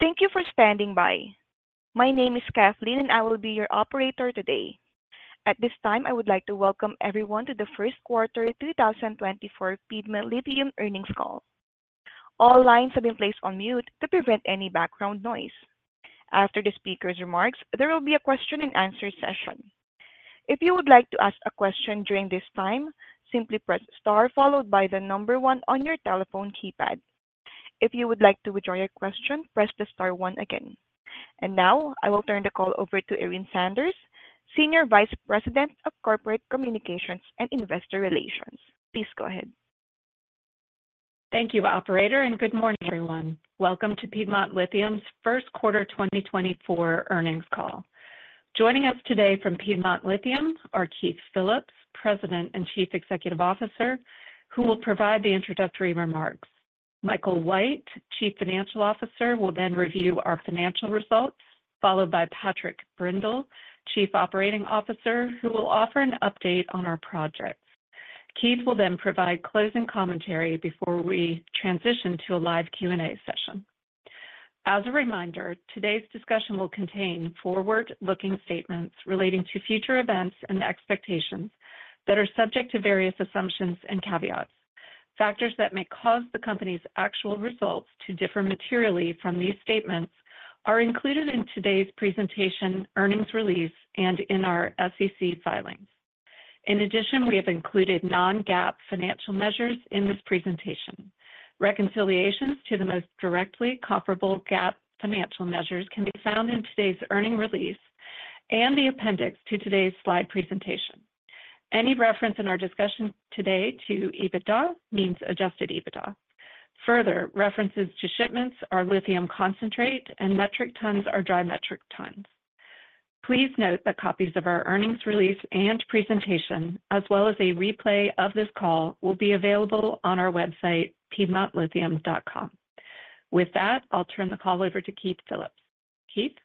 Thank you for standing by. My name is Kathleen and I will be your operator today. At this time I would like to welcome everyone to the first quarter 2024 Piedmont Lithium earnings call. All lines have been placed on mute to prevent any background noise. After the speaker's remarks, there will be a question-and-answer session. If you would like to ask a question during this time, simply press star followed by the number one on your telephone keypad. If you would like to withdraw your question, press the star one again. And now I will turn the call over to Erin Sanders, Senior Vice President of Corporate Communications and Investor Relations. Please go ahead. Thank you, operator, and good morning, everyone. Welcome to Piedmont Lithium's first quarter 2024 earnings call. Joining us today from Piedmont Lithium are Keith Phillips, President and Chief Executive Officer, who will provide the introductory remarks. Michael White, Chief Financial Officer, will then review our financial results, followed by Patrick Brindle, Chief Operating Officer, who will offer an update on our projects. Keith will then provide closing commentary before we transition to a live Q&A session. As a reminder, today's discussion will contain forward-looking statements relating to future events and expectations that are subject to various assumptions and caveats. Factors that may cause the company's actual results to differ materially from these statements are included in today's presentation earnings release and in our SEC filings. In addition, we have included non-GAAP financial measures in this presentation. Reconciliations to the most directly comparable GAAP financial measures can be found in today's earnings release and the appendix to today's slide presentation. Any reference in our discussion today to EBITDA means adjusted EBITDA. Further references to shipments are lithium concentrate and metric tons are dry metric tons. Please note that copies of our earnings release and presentation, as well as a replay of this call, will be available on our website, piedmontlithium.com. With that, I'll turn the call over to Keith Phillips. Keith?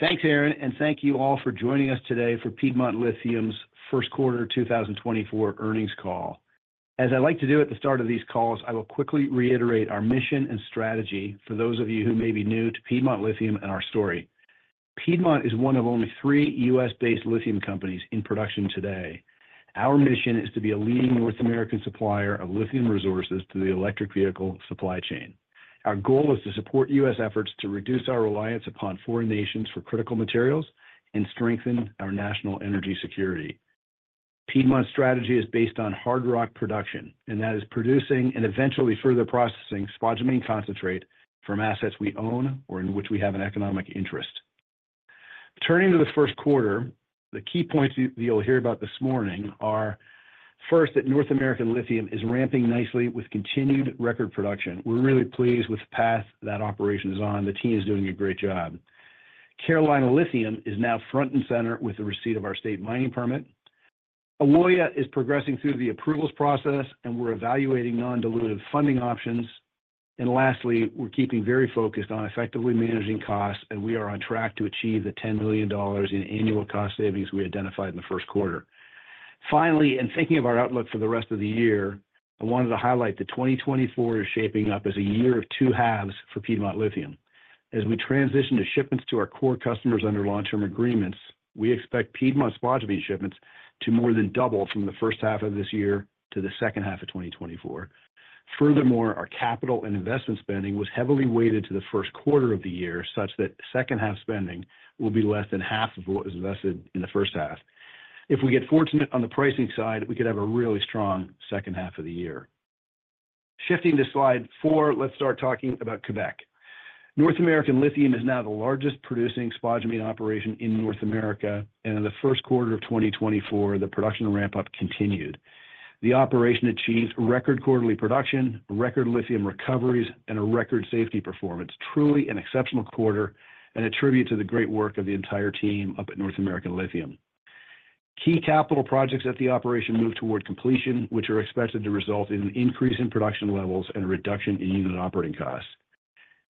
Thanks, Erin, and thank you all for joining us today for Piedmont Lithium's first quarter 2024 earnings call. As I like to do at the start of these calls, I will quickly reiterate our mission and strategy for those of you who may be new to Piedmont Lithium and our story. Piedmont is one of only three U.S.-based lithium companies in production today. Our mission is to be a leading North American supplier of lithium resources to the electric vehicle supply chain. Our goal is to support U.S. efforts to reduce our reliance upon foreign nations for critical materials and strengthen our national energy security. Piedmont's strategy is based on hard rock production, and that is producing and eventually further processing spodumene concentrate from assets we own or in which we have an economic interest. Turning to the first quarter, the key points you'll hear about this morning are, first, that North American Lithium is ramping nicely with continued record production. We're really pleased with the path that operation is on. The team is doing a great job. Carolina Lithium is now front and center with the receipt of our state mining permit. Ewoyaa is progressing through the approvals process, and we're evaluating non-dilutive funding options. And lastly, we're keeping very focused on effectively managing costs, and we are on track to achieve the $10 million in annual cost savings we identified in the first quarter. Finally, in thinking of our outlook for the rest of the year, I wanted to highlight that 2024 is shaping up as a year of two halves for Piedmont Lithium. As we transition to shipments to our core customers under long-term agreements, we expect Piedmont spodumene shipments to more than double from the first half of this year to the second half of 2024. Furthermore, our capital and investment spending was heavily weighted to the first quarter of the year, such that second-half spending will be less than half of what was invested in the first half. If we get fortunate on the pricing side, we could have a really strong second half of the year. Shifting to slide four, let's start talking about Quebec. North American Lithium is now the largest producing spodumene operation in North America, and in the first quarter of 2024, the production ramp-up continued. The operation achieved record quarterly production, record lithium recoveries, and a record safety performance. Truly an exceptional quarter and a tribute to the great work of the entire team up at North American Lithium. Key capital projects at the operation move toward completion, which are expected to result in an increase in production levels and a reduction in unit operating costs.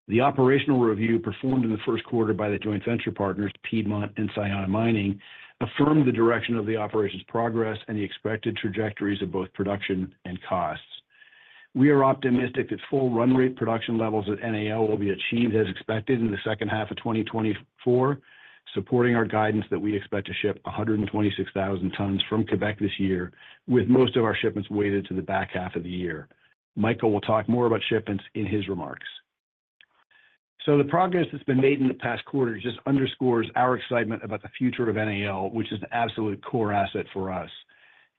The operational review performed in the first quarter by the joint venture partners Piedmont and Sayona Mining affirmed the direction of the operation's progress and the expected trajectories of both production and costs. We are optimistic that full run-rate production levels at NAL will be achieved as expected in the second half of 2024, supporting our guidance that we expect to ship 126,000 tons from Quebec this year, with most of our shipments weighted to the back half of the year. Michael will talk more about shipments in his remarks. So the progress that's been made in the past quarter just underscores our excitement about the future of NAL, which is an absolute core asset for us.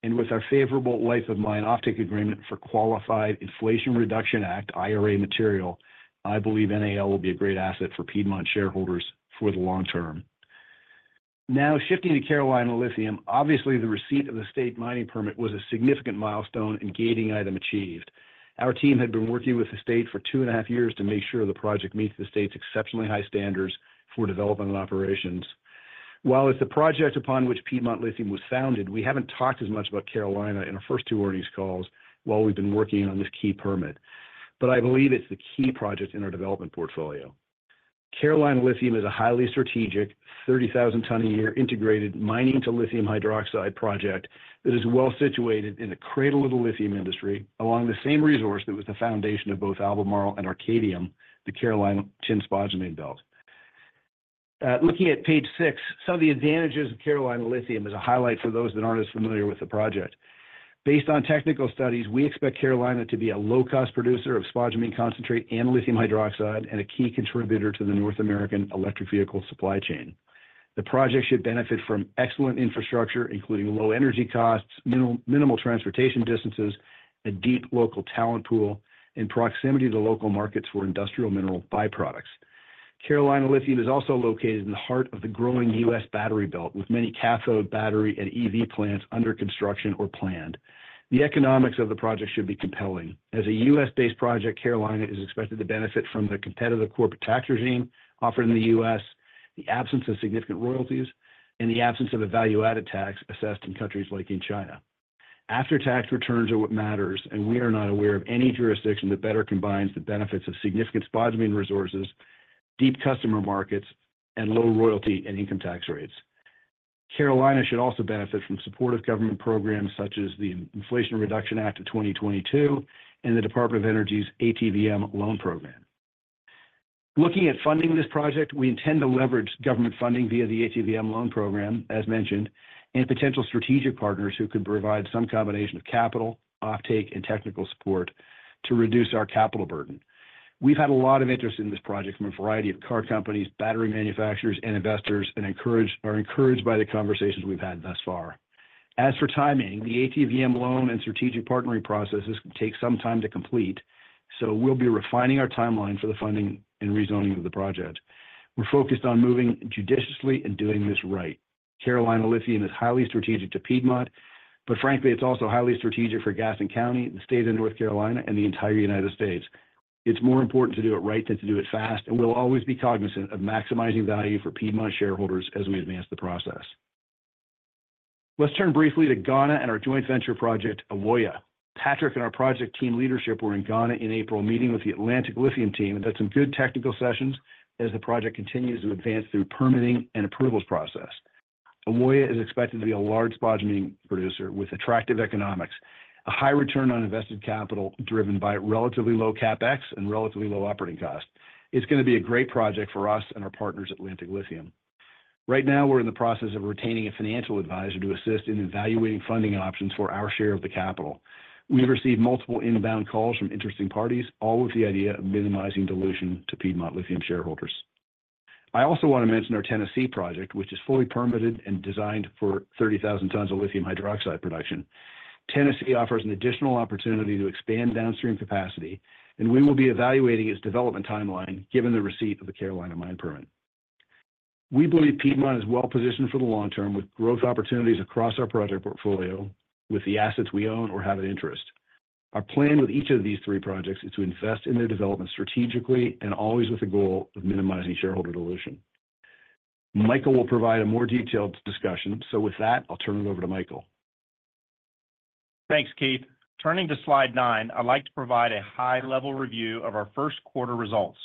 And with our favorable life-of-mine offtake agreement for qualified Inflation Reduction Act, IRA material, I believe NAL will be a great asset for Piedmont shareholders for the long term. Now, shifting to Carolina Lithium, obviously the receipt of the state mining permit was a significant milestone and gating item achieved. Our team had been working with the state for 2.5 years to make sure the project meets the state's exceptionally high standards for development and operations. While it's the project upon which Piedmont Lithium was founded, we haven't talked as much about Carolina in our first two earnings calls while we've been working on this key permit. But I believe it's the key project in our development portfolio. Carolina Lithium is a highly strategic, 30,000-ton-a-year integrated mining-to-lithium-hydroxide project that is well situated in the cradle of the lithium industry along the same resource that was the foundation of both Albemarle and Arcadium, the Carolina tin-spodumene belt. Looking at page six, some of the advantages of Carolina Lithium as a highlight for those that aren't as familiar with the project. Based on technical studies, we expect Carolina to be a low-cost producer of spodumene concentrate and lithium hydroxide and a key contributor to the North American electric vehicle supply chain. The project should benefit from excellent infrastructure, including low energy costs, minimal transportation distances, a deep local talent pool, and proximity to the local markets for industrial mineral byproducts. Carolina Lithium is also located in the heart of the growing U.S. battery belt, with many cathode battery and EV plants under construction or planned. The economics of the project should be compelling. As a U.S.-based project, Carolina is expected to benefit from the competitive corporate tax regime offered in the U.S., the absence of significant royalties, and the absence of a value-added tax assessed in countries like in China. After-tax returns are what matters, and we are not aware of any jurisdiction that better combines the benefits of significant spodumene resources, deep customer markets, and low royalty and income tax rates. Carolina should also benefit from supportive government programs such as the Inflation Reduction Act of 2022 and the Department of Energy's ATVM loan program. Looking at funding this project, we intend to leverage government funding via the ATVM loan program, as mentioned, and potential strategic partners who could provide some combination of capital, offtake, and technical support to reduce our capital burden. We've had a lot of interest in this project from a variety of car companies, battery manufacturers, and investors, and are encouraged by the conversations we've had thus far. As for timing, the ATVM loan and strategic partnering processes take some time to complete, so we'll be refining our timeline for the funding and rezoning of the project. We're focused on moving judiciously and doing this right. Carolina Lithium is highly strategic to Piedmont, but frankly, it's also highly strategic for Gaston County, the state of North Carolina, and the entire United States. It's more important to do it right than to do it fast, and we'll always be cognizant of maximizing value for Piedmont shareholders as we advance the process. Let's turn briefly to Ghana and our joint venture project, Ewoyaa. Patrick and our project team leadership were in Ghana in April meeting with the Atlantic Lithium team and had some good technical sessions as the project continues to advance through permitting and approvals process. Ewoyaa is expected to be a large spodumene producer with attractive economics, a high return on invested capital driven by relatively low CapEx and relatively low operating costs. It's going to be a great project for us and our partners, Atlantic Lithium. Right now, we're in the process of retaining a financial advisor to assist in evaluating funding options for our share of the capital. We've received multiple inbound calls from interesting parties, all with the idea of minimizing dilution to Piedmont Lithium shareholders. I also want to mention our Tennessee project, which is fully permitted and designed for 30,000 tons of lithium hydroxide production. Tennessee offers an additional opportunity to expand downstream capacity, and we will be evaluating its development timeline given the receipt of the Carolina mine permit. We believe Piedmont is well positioned for the long term with growth opportunities across our project portfolio with the assets we own or have an interest. Our plan with each of these three projects is to invest in their development strategically and always with the goal of minimizing shareholder dilution. Michael will provide a more detailed discussion, so with that, I'll turn it over to Michael. Thanks, Keith. Turning to slide nine, I'd like to provide a high-level review of our first quarter results.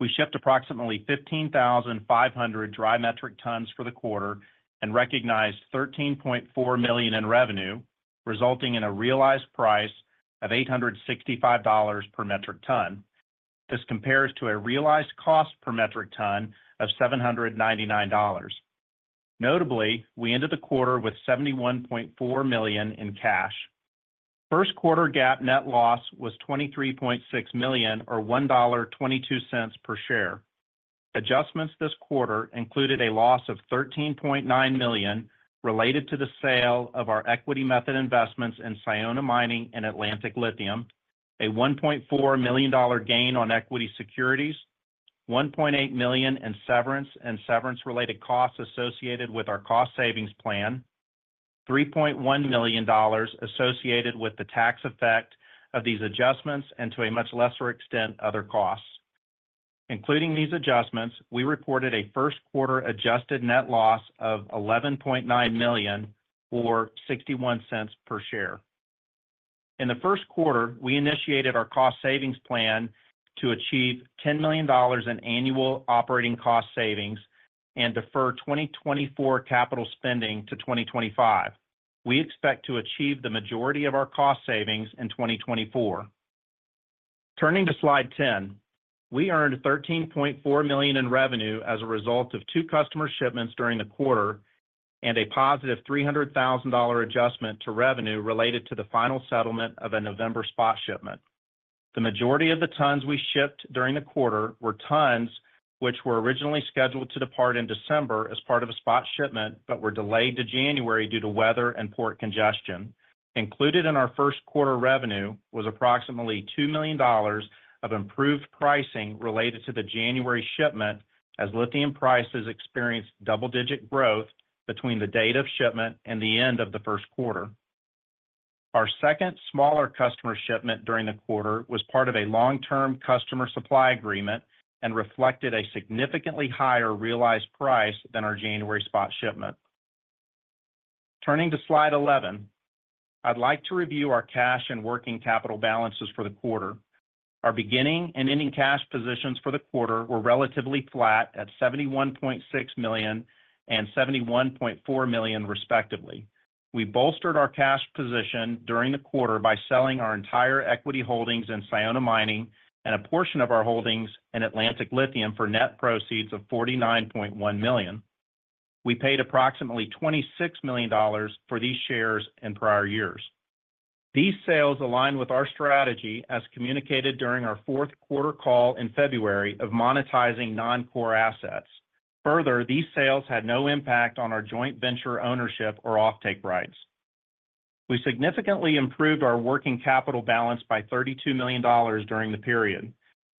We shipped approximately 15,500 dry metric tons for the quarter and recognized $13.4 million in revenue, resulting in a realized price of $865 per metric ton. This compares to a realized cost per metric ton of $799. Notably, we ended the quarter with $71.4 million in cash. First quarter GAAP net loss was $23.6 million or $1.22 per share. Adjustments this quarter included a loss of $13.9 million related to the sale of our equity method investments in Sayona Mining and Atlantic Lithium, a $1.4 million gain on equity securities, $1.8 million in severance and severance-related costs associated with our cost savings plan, $3.1 million associated with the tax effect of these adjustments, and to a much lesser extent, other costs. Including these adjustments, we reported a first quarter adjusted net loss of $11.9 million or $0.61 per share. In the first quarter, we initiated our cost savings plan to achieve $10 million in annual operating cost savings and defer 2024 capital spending to 2025. We expect to achieve the majority of our cost savings in 2024. Turning to slide 10, we earned $13.4 million in revenue as a result of two customer shipments during the quarter and a positive $300,000 adjustment to revenue related to the final settlement of a November spot shipment. The majority of the tons we shipped during the quarter were tons which were originally scheduled to depart in December as part of a spot shipment but were delayed to January due to weather and port congestion. Included in our first quarter revenue was approximately $2 million of improved pricing related to the January shipment as lithium prices experienced double-digit growth between the date of shipment and the end of the first quarter. Our second smaller customer shipment during the quarter was part of a long-term customer supply agreement and reflected a significantly higher realized price than our January spot shipment. Turning to slide 11, I'd like to review our cash and working capital balances for the quarter. Our beginning and ending cash positions for the quarter were relatively flat at $71.6 million and $71.4 million, respectively. We bolstered our cash position during the quarter by selling our entire equity holdings in Sayona Mining and a portion of our holdings in Atlantic Lithium for net proceeds of $49.1 million. We paid approximately $26 million for these shares in prior years. These sales aligned with our strategy as communicated during our fourth quarter call in February of monetizing non-core assets. Further, these sales had no impact on our joint venture ownership or offtake rights. We significantly improved our working capital balance by $32 million during the period.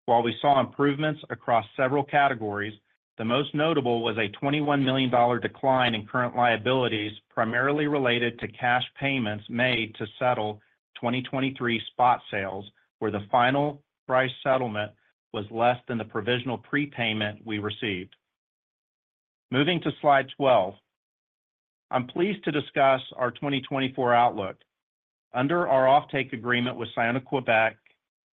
While we saw improvements across several categories, the most notable was a $21 million decline in current liabilities, primarily related to cash payments made to settle 2023 spot sales, where the final price settlement was less than the provisional prepayment we received. Moving to slide 12, I'm pleased to discuss our 2024 outlook. Under our offtake agreement with Sayona Quebec,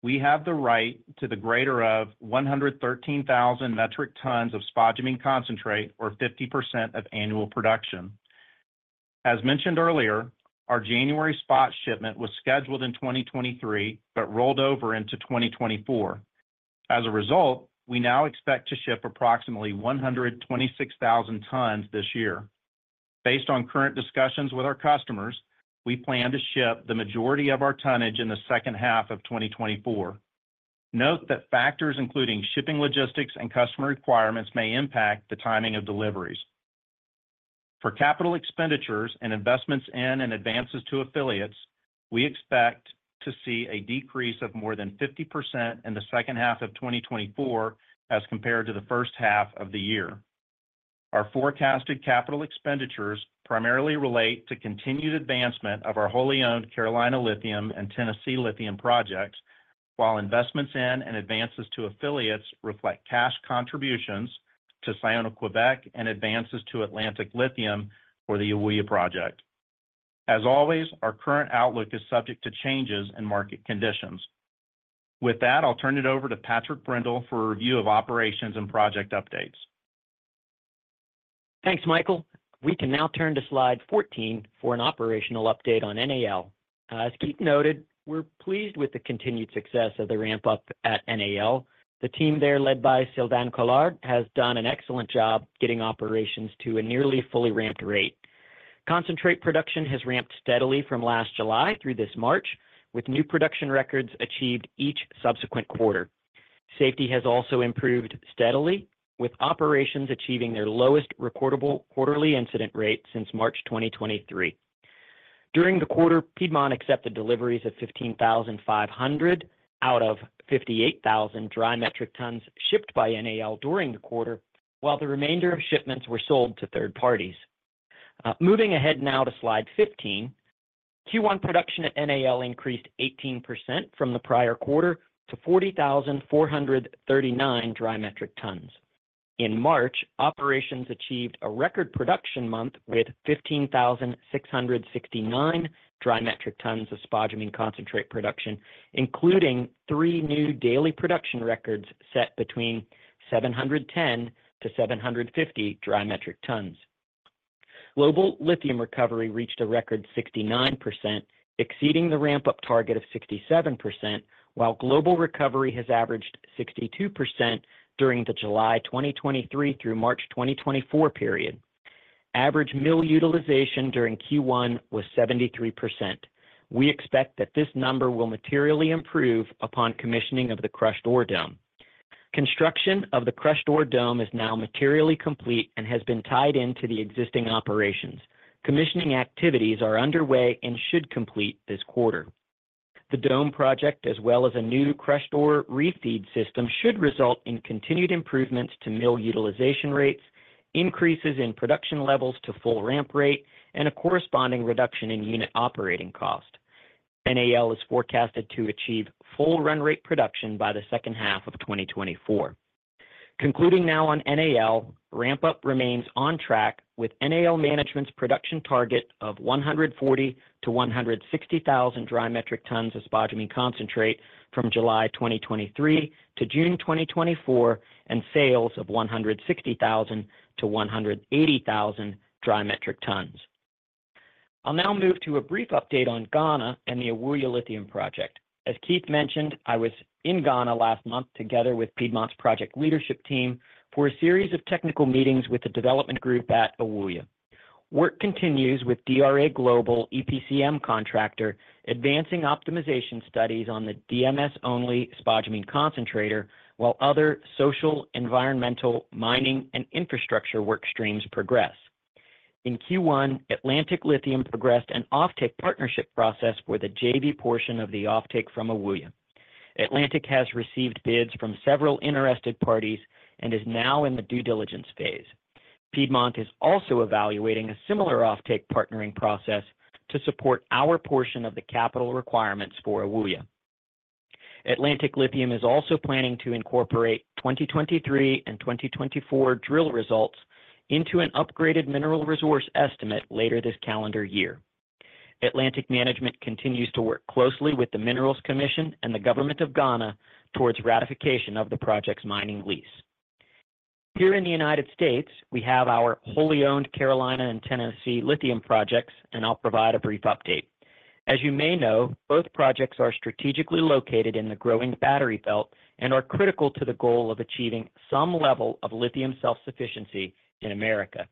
we have the right to the greater of 113,000 metric tons of spodumene concentrate or 50% of annual production. As mentioned earlier, our January spot shipment was scheduled in 2023 but rolled over into 2024. As a result, we now expect to ship approximately 126,000 tons this year. Based on current discussions with our customers, we plan to ship the majority of our tonnage in the second half of 2024. Note that factors including shipping logistics and customer requirements may impact the timing of deliveries. For capital expenditures and investments in and advances to affiliates, we expect to see a decrease of more than 50% in the second half of 2024 as compared to the first half of the year. Our forecasted capital expenditures primarily relate to continued advancement of our wholly-owned Carolina Lithium and Tennessee Lithium projects, while investments in and advances to affiliates reflect cash contributions to Sayona Quebec and advances to Atlantic Lithium for the Ewoyaa project. As always, our current outlook is subject to changes in market conditions. With that, I'll turn it over to Patrick Brindle for a review of operations and project updates. Thanks, Michael. We can now turn to slide 14 for an operational update on NAL. As Keith noted, we're pleased with the continued success of the ramp-up at NAL. The team there, led by Sylvain Collard, has done an excellent job getting operations to a nearly fully ramped rate. Concentrate production has ramped steadily from last July through this March, with new production records achieved each subsequent quarter. Safety has also improved steadily, with operations achieving their lowest recordable quarterly incident rate since March 2023. During the quarter, Piedmont accepted deliveries of 15,500 out of 58,000 dry metric tons shipped by NAL during the quarter, while the remainder of shipments were sold to third parties. Moving ahead now to slide 15, Q1 production at NAL increased 18% from the prior quarter to 40,439 dry metric tons. In March, operations achieved a record production month with 15,669 dry metric tons of spodumene concentrate production, including three new daily production records set between 710-750 dry metric tons. Global lithium recovery reached a record 69%, exceeding the ramp-up target of 67%, while global recovery has averaged 62% during the July 2023 through March 2024 period. Average mill utilization during Q1 was 73%. We expect that this number will materially improve upon commissioning of the crushed ore dome. Construction of the crushed ore dome is now materially complete and has been tied into the existing operations. Commissioning activities are underway and should complete this quarter. The dome project, as well as a new crushed ore refeed system, should result in continued improvements to mill utilization rates, increases in production levels to full ramp rate, and a corresponding reduction in unit operating cost. NAL is forecasted to achieve full run-rate production by the second half of 2024. Concluding now on NAL, ramp-up remains on track with NAL management's production target of 140,000-160,000 dry metric tons of spodumene concentrate from July 2023 to June 2024, and sales of 160,000-180,000 dry metric tons. I'll now move to a brief update on Ghana and the Ewoyaa Lithium project. As Keith mentioned, I was in Ghana last month together with Piedmont's project leadership team for a series of technical meetings with the development group at Ewoyaa. Work continues with DRA Global EPCM contractor advancing optimization studies on the DMS-only spodumene concentrator while other social, environmental, mining, and infrastructure work streams progress. In Q1, Atlantic Lithium progressed an offtake partnership process for the JV portion of the offtake from Ewoyaa. Atlantic has received bids from several interested parties and is now in the due diligence phase. Piedmont is also evaluating a similar offtake partnering process to support our portion of the capital requirements for Ewoyaa. Atlantic Lithium is also planning to incorporate 2023 and 2024 drill results into an upgraded mineral resource estimate later this calendar year. Atlantic management continues to work closely with the Minerals Commission and the government of Ghana towards ratification of the project's mining lease. Here in the United States, we have our wholly-owned Carolina and Tennessee Lithium projects, and I'll provide a brief update. As you may know, both projects are strategically located in the growing Battery Belt and are critical to the goal of achieving some level of lithium self-sufficiency in America.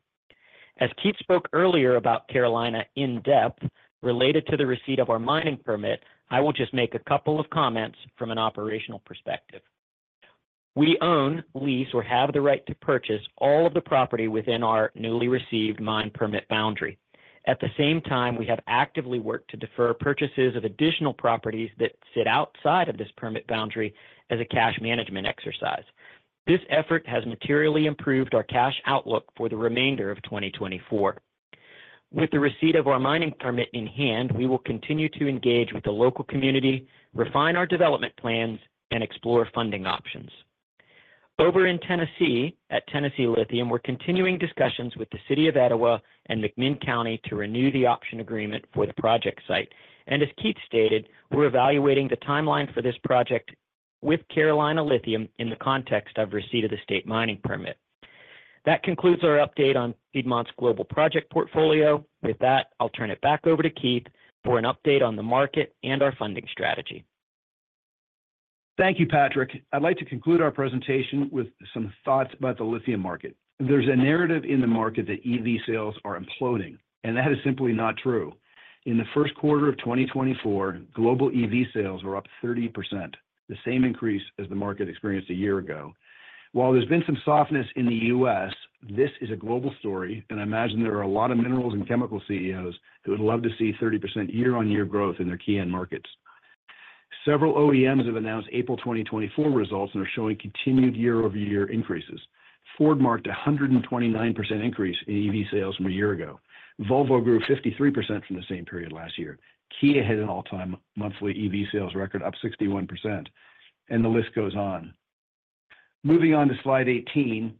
As Keith spoke earlier about Carolina in depth related to the receipt of our mining permit, I will just make a couple of comments from an operational perspective. We own lease or have the right to purchase all of the property within our newly received mine permit boundary. At the same time, we have actively worked to defer purchases of additional properties that sit outside of this permit boundary as a cash management exercise. This effort has materially improved our cash outlook for the remainder of 2024. With the receipt of our mining permit in hand, we will continue to engage with the local community, refine our development plans, and explore funding options. Over in Tennessee, at Tennessee Lithium, we're continuing discussions with the City of Etowah and McMinn County to renew the option agreement for the project site. As Keith stated, we're evaluating the timeline for this project with Carolina Lithium in the context of receipt of the state mining permit. That concludes our update on Piedmont's global project portfolio. With that, I'll turn it back over to Keith for an update on the market and our funding strategy. Thank you, Patrick. I'd like to conclude our presentation with some thoughts about the lithium market. There's a narrative in the market that EV sales are imploding, and that is simply not true. In the first quarter of 2024, global EV sales were up 30%, the same increase as the market experienced a year ago. While there's been some softness in the U.S., this is a global story, and I imagine there are a lot of minerals and chemical CEOs who would love to see 30% year-on-year growth in their key end markets. Several OEMs have announced April 2024 results and are showing continued year-over-year increases. Ford marked a 129% increase in EV sales from a year ago. Volvo grew 53% from the same period last year. Kia hit an all-time monthly EV sales record, up 61%, and the list goes on. Moving on to slide 18,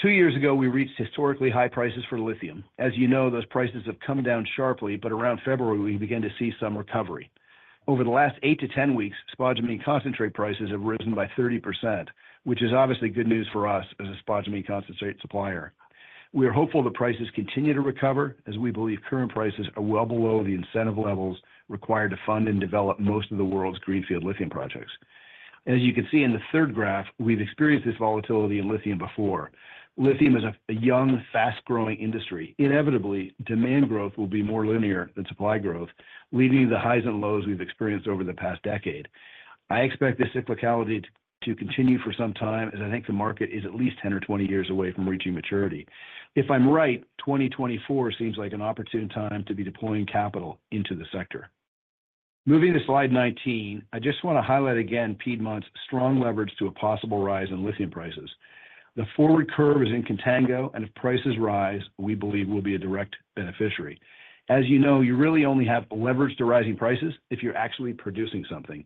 two years ago, we reached historically high prices for lithium. As you know, those prices have come down sharply, but around February, we began to see some recovery. Over the last eight-10 weeks, spodumene concentrate prices have risen by 30%, which is obviously good news for us as a spodumene concentrate supplier. We are hopeful the prices continue to recover as we believe current prices are well below the incentive levels required to fund and develop most of the world's greenfield lithium projects. As you can see in the third graph, we've experienced this volatility in lithium before. Lithium is a young, fast-growing industry. Inevitably, demand growth will be more linear than supply growth, leaving the highs and lows we've experienced over the past decade. I expect this cyclicality to continue for some time as I think the market is at least 10 or 20 years away from reaching maturity. If I'm right, 2024 seems like an opportune time to be deploying capital into the sector. Moving to slide 19, I just want to highlight again Piedmont's strong leverage to a possible rise in lithium prices. The forward curve is in contango, and if prices rise, we believe we'll be a direct beneficiary. As you know, you really only have leverage to rising prices if you're actually producing something.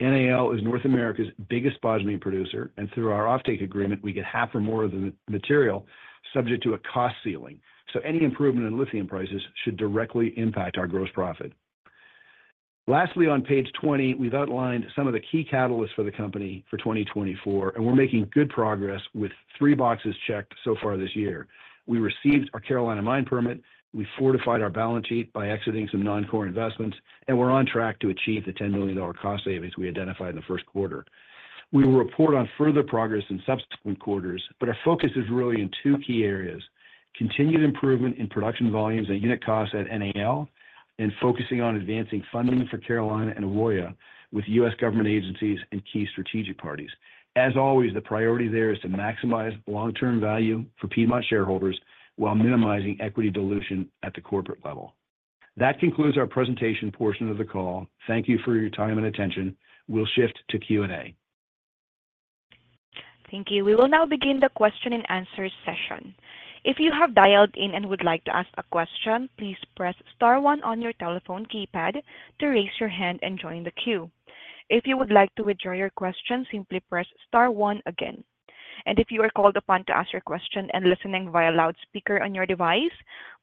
NAL is North America's biggest spodumene producer, and through our offtake agreement, we get half or more of the material subject to a cost ceiling. So any improvement in lithium prices should directly impact our gross profit. Lastly, on page 20, we've outlined some of the key catalysts for the company for 2024, and we're making good progress with three boxes checked so far this year. We received our Carolina mine permit. We fortified our balance sheet by exiting some non-core investments, and we're on track to achieve the $10 million cost savings we identified in the first quarter. We will report on further progress in subsequent quarters, but our focus is really in two key areas: continued improvement in production volumes and unit costs at NAL, and focusing on advancing funding for Carolina and Ewoyaa with U.S. government agencies and key strategic parties. As always, the priority there is to maximize long-term value for Piedmont shareholders while minimizing equity dilution at the corporate level. That concludes our presentation portion of the call. Thank you for your time and attention. We'll shift to Q&A. Thank you. We will now begin the question-and-answer session. If you have dialed in and would like to ask a question, please press star one on your telephone keypad to raise your hand and join the queue. If you would like to withdraw your question, simply press star one again. If you are called upon to ask your question and listening via loudspeaker on your device,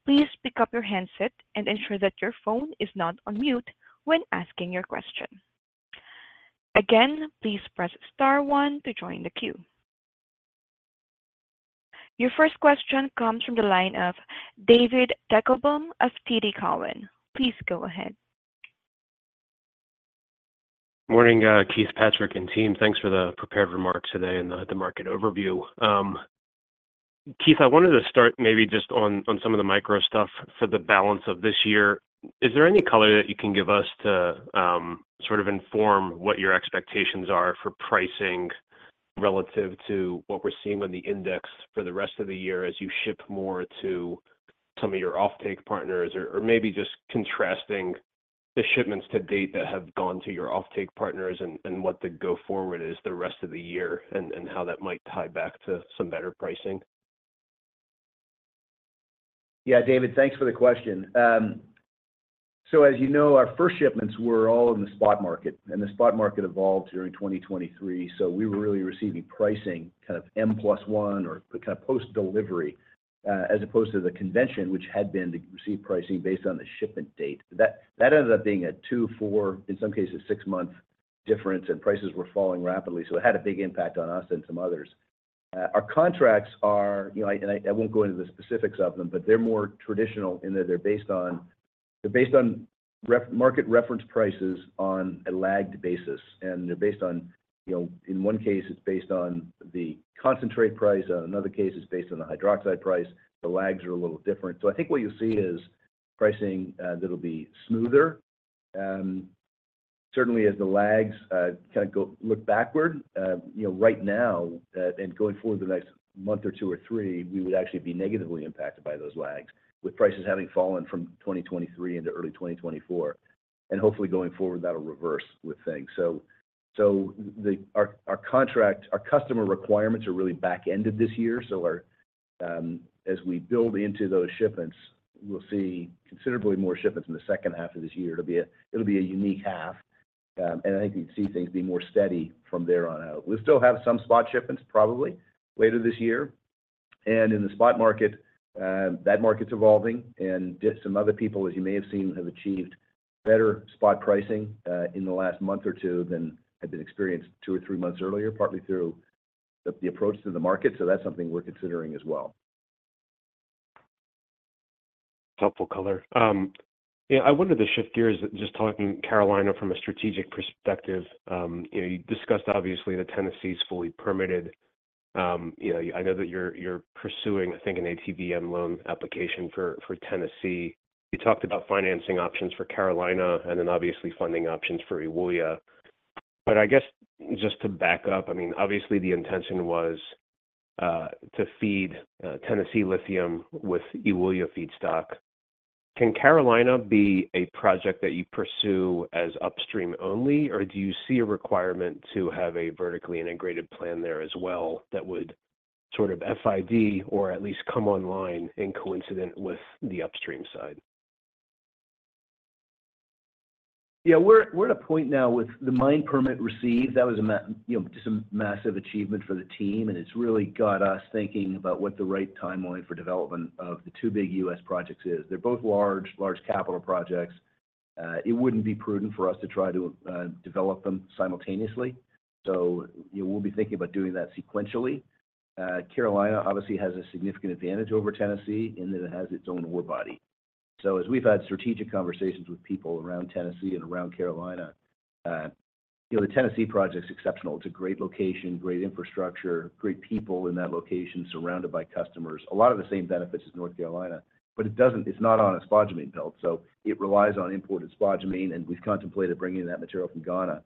please pick up your handset and ensure that your phone is not on mute when asking your question. Again, please press star one to join the queue. Your first question comes from the line of David Deckelbaum of TD Cowen. Please go ahead. Morning, Keith, Patrick, and team. Thanks for the prepared remarks today and the market overview. Keith, I wanted to start maybe just on some of the micro stuff for the balance of this year. Is there any color that you can give us to sort of inform what your expectations are for pricing relative to what we're seeing on the index for the rest of the year as you ship more to some of your offtake partners, or maybe just contrasting the shipments to date that have gone to your offtake partners and what the go-forward is the rest of the year and how that might tie back to some better pricing? Yeah, David, thanks for the question. So as you know, our first shipments were all in the spot market, and the spot market evolved during 2023. So we were really receiving pricing kind of M+1 or kind of post-delivery as opposed to the convention, which had been to receive pricing based on the shipment date. That ended up being a two, four, in some cases, six-month difference, and prices were falling rapidly. So it had a big impact on us and some others. Our contracts are and I won't go into the specifics of them, but they're more traditional in that they're based on market reference prices on a lagged basis, and they're based on in one case, it's based on the concentrate price. In another case, it's based on the hydroxide price. The lags are a little different. So I think what you'll see is pricing that'll be smoother, certainly as the lags kind of look backward. Right now and going forward the next month or two or three, we would actually be negatively impacted by those lags with prices having fallen from 2023 into early 2024. And hopefully, going forward, that'll reverse with things. So our customer requirements are really back-ended this year. So as we build into those shipments, we'll see considerably more shipments in the second half of this year. It'll be a unique half, and I think we'd see things be more steady from there on out. We'll still have some spot shipments, probably, later this year. In the spot market, that market's evolving, and some other people, as you may have seen, have achieved better spot pricing in the last month or two than had been experienced two or three months earlier, partly through the approach to the market. That's something we're considering as well. Helpful caller. I wanted to shift gears just talking about Carolina from a strategic perspective. You discussed, obviously, that Tennessee's fully permitted. I know that you're pursuing, I think, an ATVM loan application for Tennessee. You talked about financing options for Carolina and then, obviously, funding options for Ewoyaa. But I guess just to back up, I mean, obviously, the intention was to feed Tennessee Lithium with Ewoyaa feedstock. Can Carolina be a project that you pursue as upstream only, or do you see a requirement to have a vertically integrated plant there as well that would sort of FID or at least come online in coincident with the upstream side? Yeah, we're at a point now with the mine permit received. That was just a massive achievement for the team, and it's really got us thinking about what the right timeline for development of the two big U.S. projects is. They're both large, large capital projects. It wouldn't be prudent for us to try to develop them simultaneously. So we'll be thinking about doing that sequentially. Carolina, obviously, has a significant advantage over Tennessee in that it has its own ore body. So as we've had strategic conversations with people around Tennessee and around Carolina, the Tennessee project's exceptional. It's a great location, great infrastructure, great people in that location surrounded by customers, a lot of the same benefits as North Carolina, but it's not on a spodumene belt. So it relies on imported spodumene, and we've contemplated bringing that material from Ghana.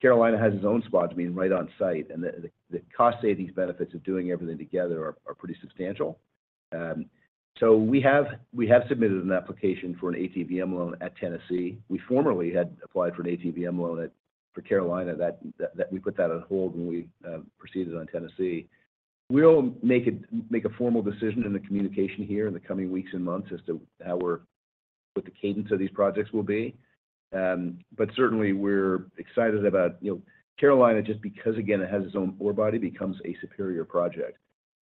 Carolina has its own spodumene right on site, and the cost savings benefits of doing everything together are pretty substantial. We have submitted an application for an ATVM loan at Tennessee. We formerly had applied for an ATVM loan for Carolina. We put that on hold when we proceeded on Tennessee. We'll make a formal decision in the communication here in the coming weeks and months as to what the cadence of these projects will be. But certainly, we're excited about Carolina just because, again, it has its own ore body, becomes a superior project.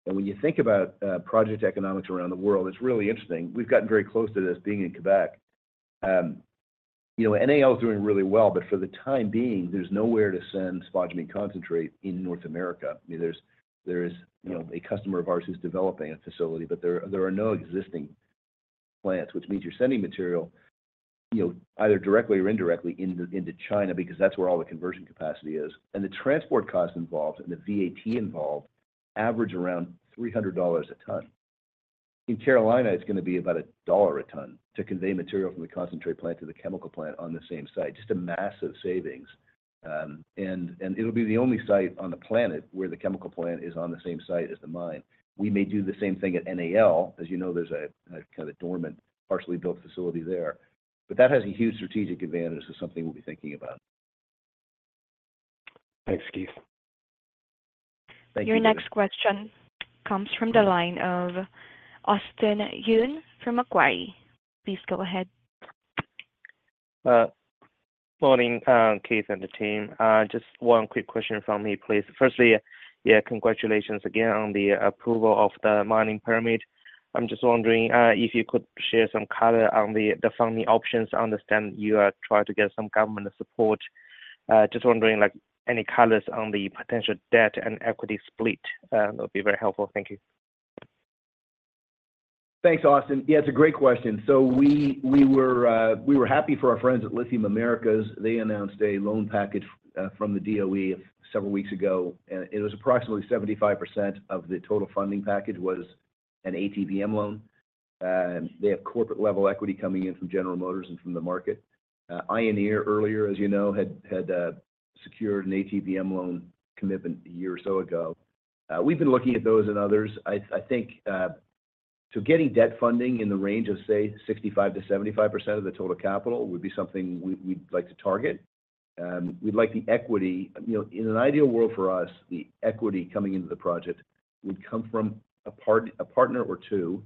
And when you think about project economics around the world, it's really interesting. We've gotten very close to this being in Quebec. NAL is doing really well, but for the time being, there's nowhere to send spodumene concentrate in North America. I mean, there is a customer of ours who's developing a facility, but there are no existing plants, which means you're sending material either directly or indirectly into China because that's where all the conversion capacity is. And the transport cost involved and the VAT involved average around $300 a ton. In Carolina, it's going to be about $1 a ton to convey material from the concentrate plant to the chemical plant on the same site, just a massive savings. And it'll be the only site on the planet where the chemical plant is on the same site as the mine. We may do the same thing at NAL. As you know, there's kind of a dormant, partially built facility there. But that has a huge strategic advantage as something we'll be thinking about. Thanks, Keith. Thank you. Your next question comes from the line of Austin Yun from Macquarie. Please go ahead. Good morning, Keith and the team. Just one quick question from me, please. Firstly, yeah, congratulations again on the approval of the mining permit. I'm just wondering if you could share some color on the funding options. I understand you are trying to get some government support. Just wondering any colors on the potential debt and equity split. That would be very helpful. Thank you. Thanks, Austin. Yeah, it's a great question. So we were happy for our friends at Lithium Americas. They announced a loan package from the DOE several weeks ago, and it was approximately 75% of the total funding package was an ATVM loan. They have corporate-level equity coming in from General Motors and from the market. Ioneer, earlier, as you know, had secured an ATVM loan commitment a year or so ago. We've been looking at those and others. I think getting debt funding in the range of, say, 65%-75% of the total capital would be something we'd like to target. We'd like the equity in an ideal world for us, the equity coming into the project would come from a partner or two,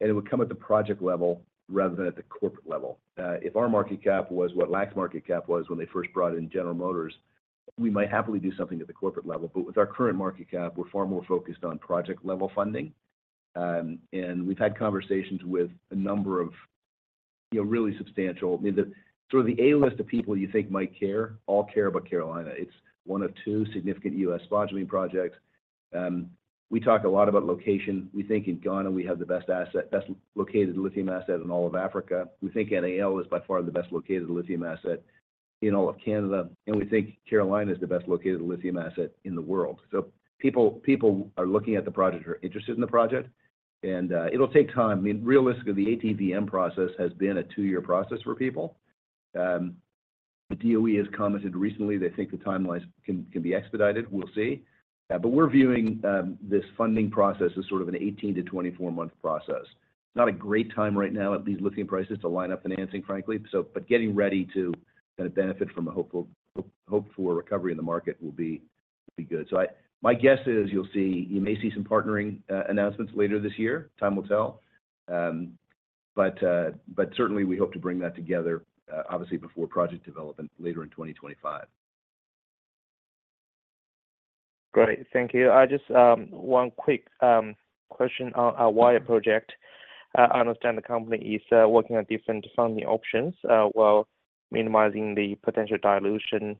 and it would come at the project level rather than at the corporate level. If our market cap was what Lithium Americas market cap was when they first brought in General Motors, we might happily do something at the corporate level. But with our current market cap, we're far more focused on project-level funding. We've had conversations with a number of really substantial, I mean, sort of the A-list of people you think might care, all care about Carolina. It's one of two significant U.S. spodumene projects. We talk a lot about location. We think in Ghana, we have the best located lithium asset in all of Africa. We think NAL is by far the best located lithium asset in all of Canada, and we think Carolina is the best located lithium asset in the world. So people are looking at the project, are interested in the project, and it'll take time. I mean, realistically, the ATVM process has been a two-year process for people. The DOE has commented recently. They think the timelines can be expedited. We'll see. But we're viewing this funding process as sort of an 18-24-month process. Not a great time right now, at least lithium prices, to line up financing, frankly. But getting ready to kind of benefit from a hope for recovery in the market will be good. So my guess is you'll see you may see some partnering announcements later this year. Time will tell. But certainly, we hope to bring that together, obviously, before project development later in 2025. Great. Thank you. Just one quick question on Ewoyaa project. I understand the company is working on different funding options while minimizing the potential dilution.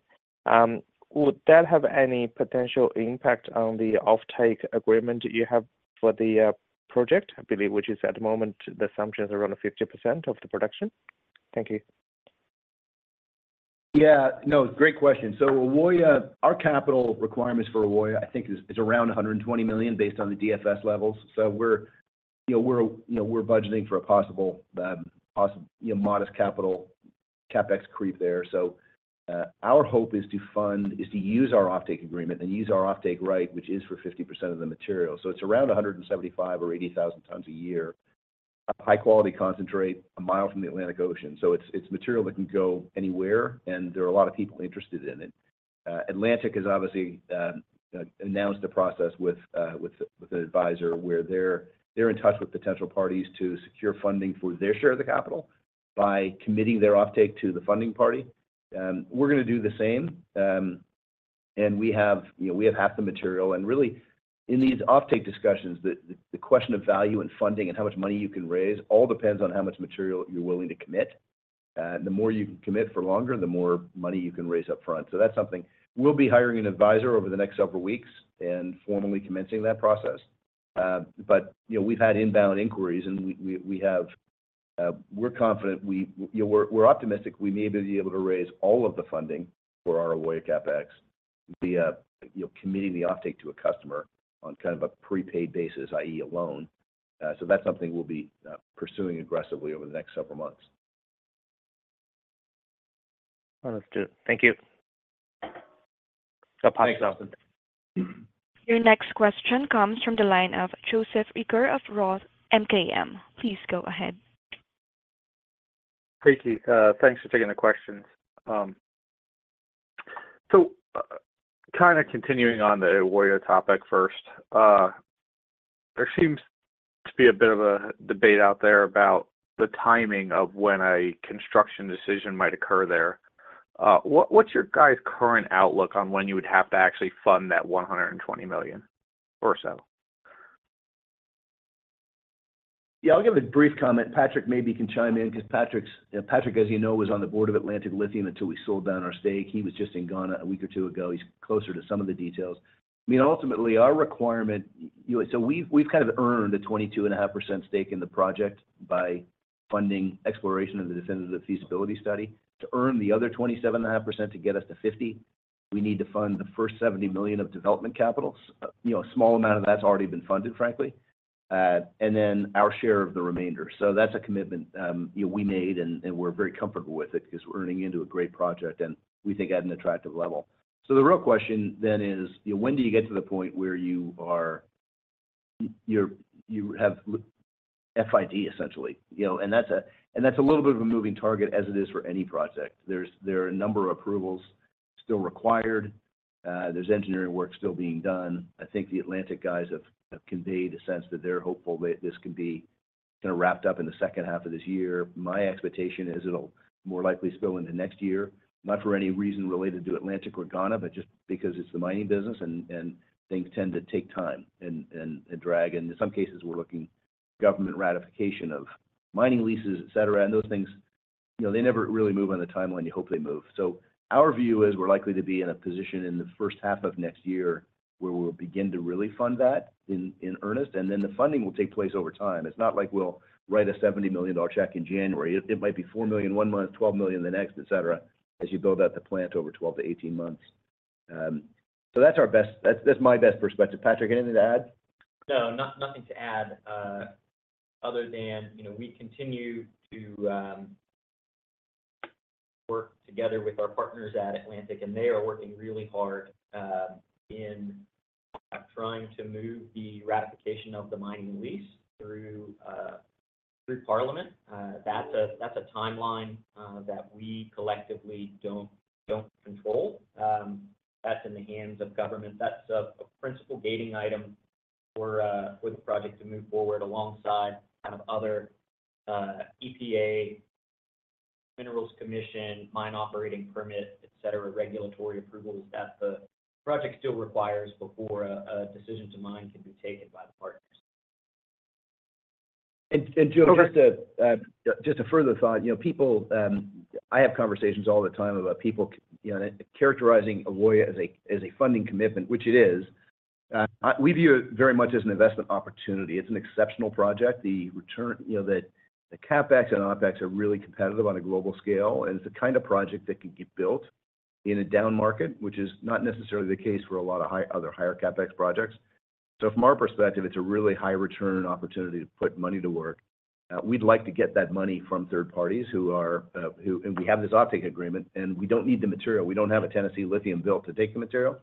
Would that have any potential impact on the offtake agreement you have for the project, I believe, which is at the moment the assumption is around 50% of the production? Thank you. Yeah. No, great question. So our capital requirements for Ewoyaa, I think, is around $120 million based on the DFS levels. So we're budgeting for a possible modest capital CapEx creep there. So our hope is to use our offtake agreement and use our offtake right, which is for 50% of the material. So it's around 175,000 or 180,000 tons a year, a high-quality concentrate, a mile from the Atlantic Ocean. So it's material that can go anywhere, and there are a lot of people interested in it. Atlantic has obviously announced a process with an advisor where they're in touch with potential parties to secure funding for their share of the capital by committing their offtake to the funding party. We're going to do the same, and we have half the material. Really, in these offtake discussions, the question of value and funding and how much money you can raise all depends on how much material you're willing to commit. The more you can commit for longer, the more money you can raise upfront. So that's something we'll be hiring an advisor over the next several weeks and formally commencing that process. But we've had inbound inquiries, and we're confident we're optimistic we may be able to raise all of the funding for our Ewoyaa CapEx via committing the offtake to a customer on kind of a prepaid basis, i.e., a loan. So that's something we'll be pursuing aggressively over the next several months. Understood. Thank you. I'll pass it off. Thanks, Austin. Your next question comes from the line of Joe Reagor of Roth MKM. Please go ahead. Hey, Keith. Thanks for taking the questions. So kind of continuing on the Macquarie topic first, there seems to be a bit of a debate out there about the timing of when a construction decision might occur there. What's your guys' current outlook on when you would have to actually fund that $120 million or so? Yeah, I'll give a brief comment. Patrick maybe can chime in because Patrick, as you know, was on the board of Atlantic Lithium until we sold down our stake. He was just in Ghana a week or two ago. He's closer to some of the details. I mean, ultimately, our requirement so we've kind of earned a 22.5% stake in the project by funding exploration of the Definitive Feasibility Study. To earn the other 27.5% to get us to 50%, we need to fund the first $70 million of development capital. A small amount of that's already been funded, frankly, and then our share of the remainder. So that's a commitment we made, and we're very comfortable with it because we're earning into a great project, and we think at an attractive level. So the real question then is, when do you get to the point where you have FID, essentially? And that's a little bit of a moving target as it is for any project. There are a number of approvals still required. There's engineering work still being done. I think the Atlantic guys have conveyed a sense that they're hopeful that this can be kind of wrapped up in the second half of this year. My expectation is it'll more likely spill into next year, not for any reason related to Atlantic or Ghana, but just because it's the mining business, and things tend to take time and drag. And in some cases, we're looking at government ratification of mining leases, etc., and those things, they never really move on the timeline you hope they move. So our view is we're likely to be in a position in the first half of next year where we'll begin to really fund that in earnest, and then the funding will take place over time. It's not like we'll write a $70 million check in January. It might be $4 million one month, $12 million the next, etc., as you build out the plant over 12-18 months. So that's my best perspective. Patrick, anything to add? No, nothing to add other than we continue to work together with our partners at Atlantic, and they are working really hard in trying to move the ratification of the mining lease through Parliament. That's a timeline that we collectively don't control. That's in the hands of government. That's a principal gating item for the project to move forward alongside kind of other EPA, Minerals Commission, mine operating permit, etc., regulatory approvals that the project still requires before a decision to mine can be taken by the partners. Joe, just a further thought. I have conversations all the time about people characterizing Macquarie as a funding commitment, which it is. We view it very much as an investment opportunity. It's an exceptional project. The CapEx and OpEx are really competitive on a global scale, and it's the kind of project that can get built in a down market, which is not necessarily the case for a lot of other higher CapEx projects. So from our perspective, it's a really high-return opportunity to put money to work. We'd like to get that money from third parties who are and we have this offtake agreement, and we don't need the material. We don't have a Tennessee Lithium built to take the material.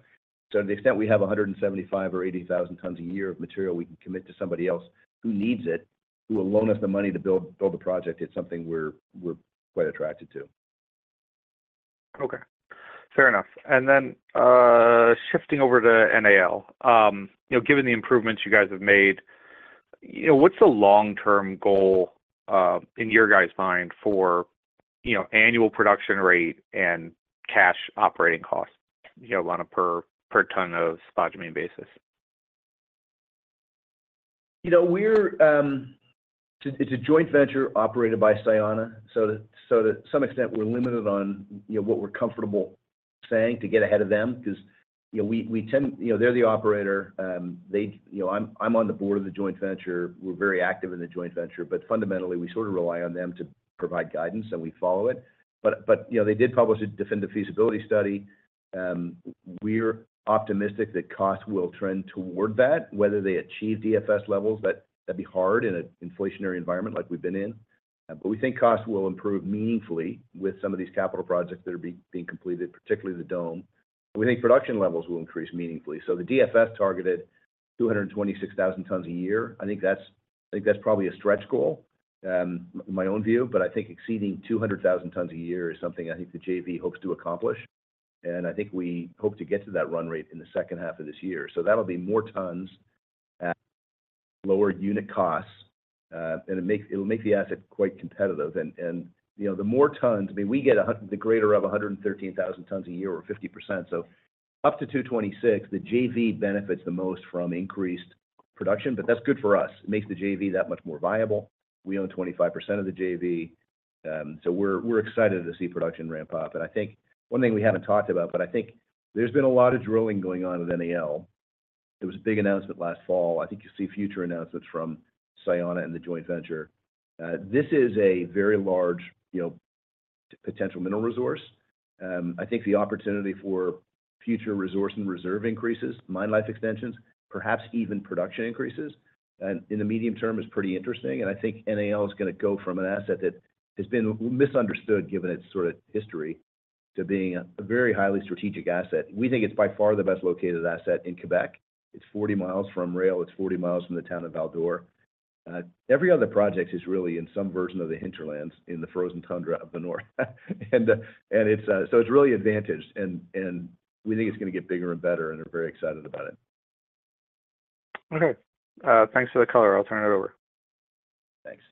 So, to the extent we have 175,000 or 80,000 tons a year of material we can commit to somebody else who needs it, who will loan us the money to build the project, it's something we're quite attracted to. Okay. Fair enough. Then shifting over to NAL, given the improvements you guys have made, what's the long-term goal in your guys' mind for annual production rate and cash operating cost, kind of per ton of spodumene basis? It's a joint venture operated by Sayona. So to some extent, we're limited on what we're comfortable saying to get ahead of them because we tend they're the operator. I'm on the board of the joint venture. We're very active in the joint venture. But fundamentally, we sort of rely on them to provide guidance, and we follow it. But they did publish a definitive feasibility study. We're optimistic that cost will trend toward that. Whether they achieve DFS levels, that'd be hard in an inflationary environment like we've been in. But we think cost will improve meaningfully with some of these capital projects that are being completed, particularly the dome. We think production levels will increase meaningfully. So the DFS targeted 226,000 tons a year. I think that's probably a stretch goal, my own view. But I think exceeding 200,000 tons a year is something I think the JV hopes to accomplish. And I think we hope to get to that run-rate in the second half of this year. So that'll be more tons at lower unit costs, and it'll make the asset quite competitive. And the more tons I mean, we get the greater of 113,000 tons a year or 50%. So up to 226,000, the JV benefits the most from increased production, but that's good for us. It makes the JV that much more viable. We own 25% of the JV, so we're excited to see production ramp up. And I think one thing we haven't talked about, but I think there's been a lot of drilling going on with NAL. There was a big announcement last fall. I think you'll see future announcements from Sayona and the joint venture. This is a very large potential mineral resource. I think the opportunity for future resource and reserve increases, mine life extensions, perhaps even production increases in the medium term is pretty interesting. I think NAL is going to go from an asset that has been misunderstood given its sort of history to being a very highly strategic asset. We think it's by far the best located asset in Quebec. It's 40 miles from rail. It's 40 miles from the town of Val-d'Or. Every other project is really in some version of the hinterlands in the frozen tundra of the north. So it's really advantaged, and we think it's going to get bigger and better, and we're very excited about it. Okay. Thanks for the caller. I'll turn it over. Thanks.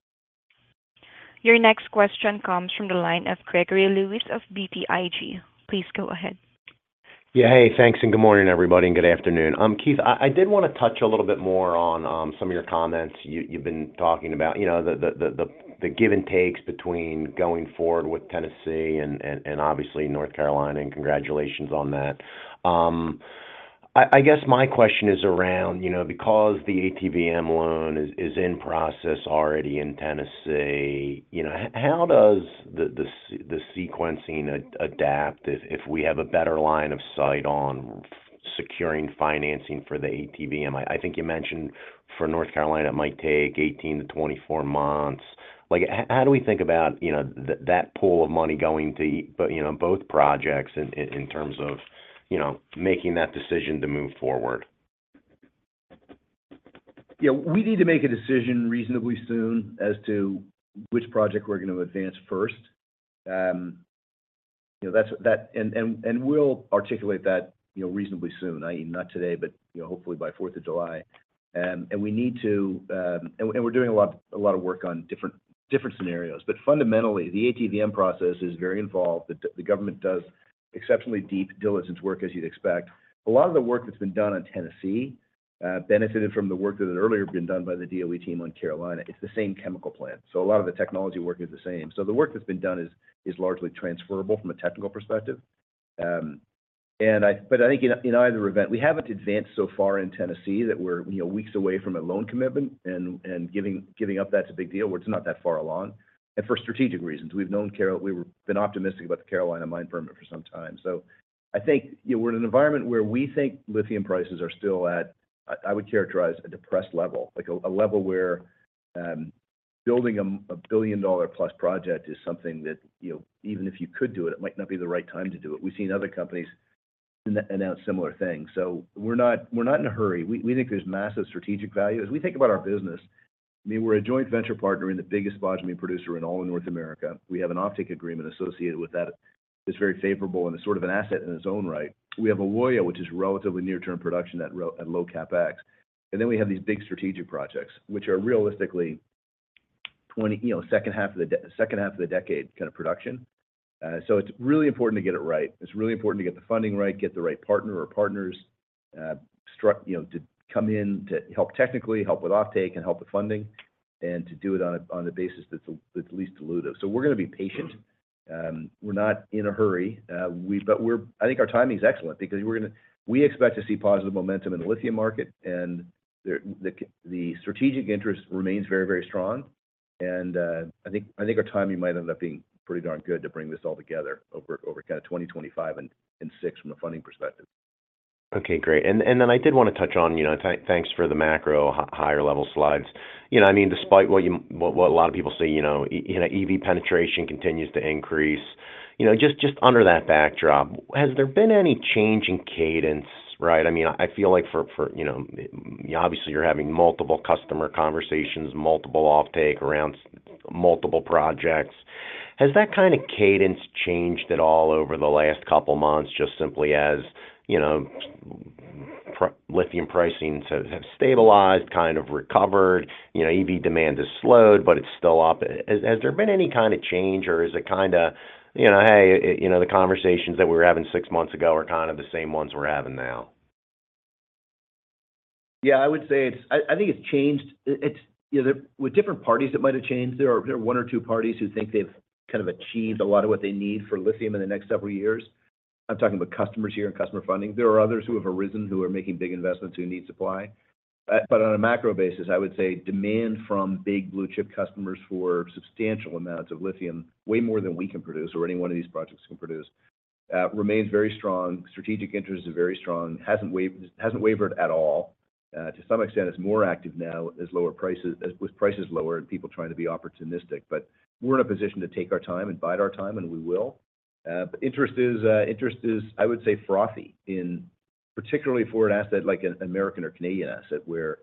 Your next question comes from the line of Gregory Lewis of BTIG. Please go ahead. Yeah. Hey. Thanks and good morning, everybody, and good afternoon. Keith, I did want to touch a little bit more on some of your comments you've been talking about, the give and takes between going forward with Tennessee and obviously North Carolina. And congratulations on that. I guess my question is around, because the ATVM loan is in process already in Tennessee, how does the sequencing adapt if we have a better line of sight on securing financing for the ATVM? I think you mentioned for North Carolina, it might take 18-24 months. How do we think about that pool of money going to both projects in terms of making that decision to move forward? We need to make a decision reasonably soon as to which project we're going to advance first. And we'll articulate that reasonably soon, i.e., not today, but hopefully by 4th of July. And we need to, and we're doing a lot of work on different scenarios. But fundamentally, the ATVM process is very involved. The government does exceptionally deep diligence work, as you'd expect. A lot of the work that's been done on Tennessee benefited from the work that had earlier been done by the DOE team on Carolina. It's the same chemical plant. So a lot of the technology work is the same. So the work that's been done is largely transferable from a technical perspective. But I think in either event, we haven't advanced so far in Tennessee that we're weeks away from a loan commitment. Giving up that's a big deal where it's not that far along. For strategic reasons, we've known we've been optimistic about the Carolina mine permit for some time. So I think we're in an environment where we think lithium prices are still at, I would characterize, a depressed level, a level where building a billion-dollar-plus project is something that even if you could do it, it might not be the right time to do it. We've seen other companies announce similar things. So we're not in a hurry. We think there's massive strategic value. As we think about our business, I mean, we're a joint venture partner in the biggest spodumene producer in all of North America. We have an offtake agreement associated with that that's very favorable, and it's sort of an asset in its own right. We have Ewoyaa, which is relatively near-term production at low CapEx. And then we have these big strategic projects, which are realistically second half of the second half of the decade kind of production. So it's really important to get it right. It's really important to get the funding right, get the right partner or partners to come in to help technically, help with offtake, and help with funding, and to do it on a basis that's at least dilutive. So we're going to be patient. We're not in a hurry. But I think our timing is excellent because we expect to see positive momentum in the lithium market, and the strategic interest remains very, very strong. And I think our timing might end up being pretty darn good to bring this all together over kind of 2025 and 2026 from a funding perspective. Okay. Great. And then I did want to touch on, thanks for the macro higher-level slides. I mean, despite what a lot of people say, EV penetration continues to increase. Just under that backdrop, has there been any change in cadence, right? I mean, I feel like for obviously, you're having multiple customer conversations, multiple offtake around multiple projects. Has that kind of cadence changed at all over the last couple of months just simply as lithium pricing has stabilized, kind of recovered, EV demand has slowed, but it's still up? Has there been any kind of change, or is it kind of, "Hey, the conversations that we were having six months ago are kind of the same ones we're having now"? Yeah. I would say I think it's changed. With different parties, it might have changed. There are one or two parties who think they've kind of achieved a lot of what they need for lithium in the next several years. I'm talking about customers here and customer funding. There are others who have arisen, who are making big investments, who need supply. But on a macro basis, I would say demand from big blue-chip customers for substantial amounts of lithium, way more than we can produce or any one of these projects can produce, remains very strong. Strategic interest is very strong, hasn't wavered at all. To some extent, it's more active now with prices lower and people trying to be opportunistic. But we're in a position to take our time and bide our time, and we will. Interest is, I would say, frothy, particularly for an asset like an American or Canadian asset where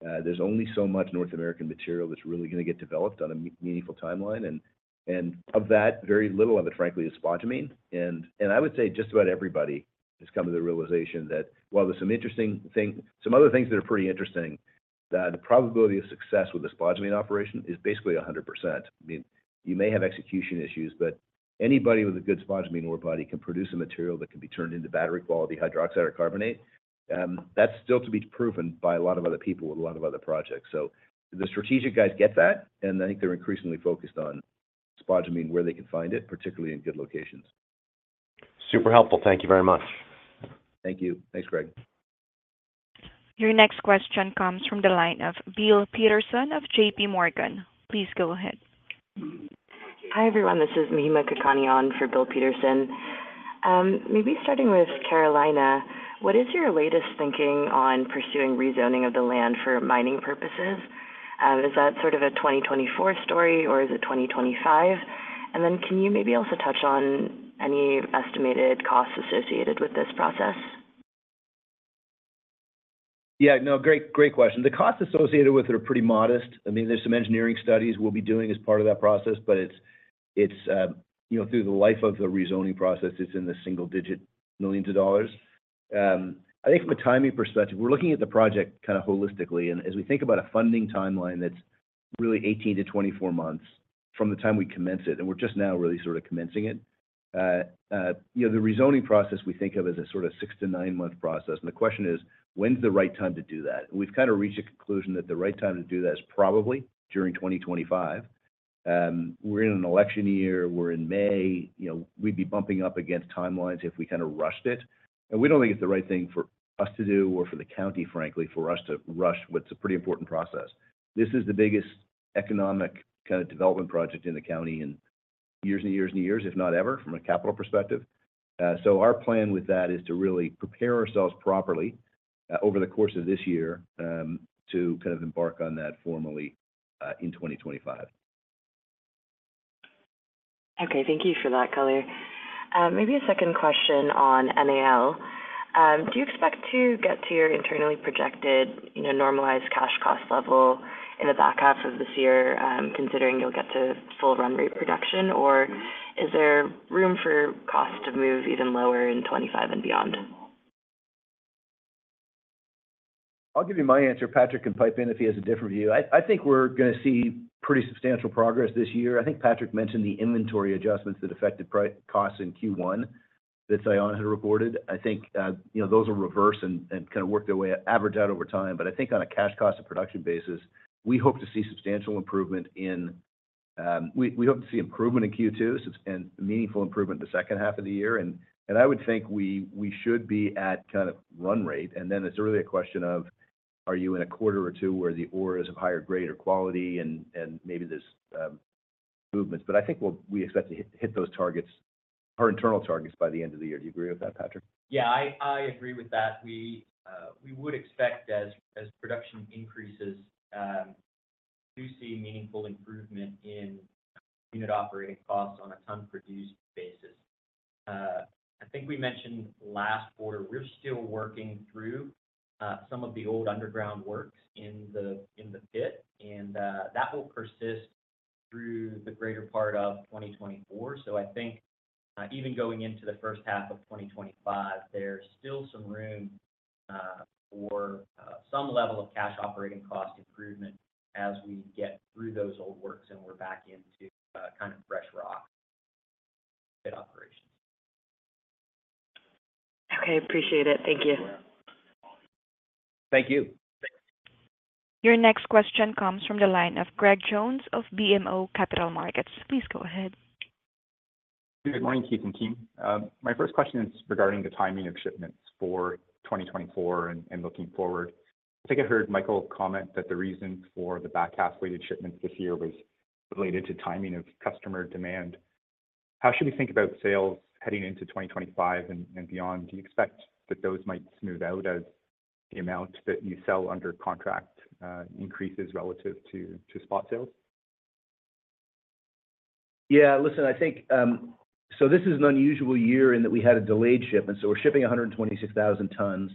there's only so much North American material that's really going to get developed on a meaningful timeline. And of that, very little of it, frankly, is spodumene. And I would say just about everybody has come to the realization that while there's some interesting things, some other things that are pretty interesting, the probability of success with the spodumene operation is basically 100%. I mean, you may have execution issues, but anybody with a good spodumene ore body can produce a material that can be turned into battery-quality hydroxide or carbonate. That's still to be proven by a lot of other people with a lot of other projects. So the strategic guys get that, and I think they're increasingly focused on spodumene where they can find it, particularly in good locations. Super helpful. Thank you very much. Thank you. Thanks, Greg. Your next question comes from the line of Bill Peterson of J.P. Morgan. Please go ahead. Hi, everyone. This is Mahima Kakani for Bill Peterson. Maybe starting with Carolina, what is your latest thinking on pursuing rezoning of the land for mining purposes? Is that sort of a 2024 story, or is it 2025? And then can you maybe also touch on any estimated costs associated with this process? Yeah. No. Great question. The costs associated with it are pretty modest. I mean, there's some engineering studies we'll be doing as part of that process, but through the life of the rezoning process, it's in the $1-$9 million. I think from a timing perspective, we're looking at the project kind of holistically. And as we think about a funding timeline that's really 18-24 months from the time we commenced it, and we're just now really sort of commencing it, the rezoning process, we think of as a sort of 6-9-month process. And the question is, when's the right time to do that? And we've kind of reached a conclusion that the right time to do that is probably during 2025. We're in an election year. We're in May. We'd be bumping up against timelines if we kind of rushed it. We don't think it's the right thing for us to do or for the county, frankly, for us to rush what's a pretty important process. This is the biggest economic kind of development project in the county in years and years and years, if not ever, from a capital perspective. Our plan with that is to really prepare ourselves properly over the course of this year to kind of embark on that formally in 2025. Okay. Thank you for that, Collard. Maybe a second question on NAL. Do you expect to get to your internally projected normalized cash cost level in the back half of this year considering you'll get to full run rate production? Or is there room for cost to move even lower in 2025 and beyond? I'll give you my answer. Patrick can pipe in if he has a different view. I think we're going to see pretty substantial progress this year. I think Patrick mentioned the inventory adjustments that affected costs in Q1 that Sayona had reported. I think those will reverse and kind of work their way average out over time. But I think on a cash cost of production basis, we hope to see substantial improvement in we hope to see improvement in Q2 and meaningful improvement in the second half of the year. And I would think we should be at kind of run rate. And then it's really a question of, are you in a quarter or two where the ore is of higher grade or quality, and maybe there's movements? But I think we expect to hit those targets, our internal targets, by the end of the year. Do you agree with that, Patrick? Yeah. I agree with that. We would expect, as production increases, to see meaningful improvement in unit operating costs on a ton-produced basis. I think we mentioned last quarter, we're still working through some of the old underground works in the pit, and that will persist through the greater part of 2024. So I think even going into the first half of 2025, there's still some room for some level of cash operating cost improvement as we get through those old works and we're back into kind of fresh rock pit operations. Okay. Appreciate it. Thank you. Thank you. Your next question comes from the line of Greg Jones of BMO Capital Markets. Please go ahead. Good morning, Keith and Mike. My first question is regarding the timing of shipments for 2024 and looking forward. I think I heard Michael comment that the reason for the back half-weighted shipments this year was related to timing of customer demand. How should we think about sales heading into 2025 and beyond? Do you expect that those might smooth out as the amount that you sell under contract increases relative to spot sales? Yeah. Listen, I think so this is an unusual year in that we had a delayed shipment. So we're shipping 126,000 tons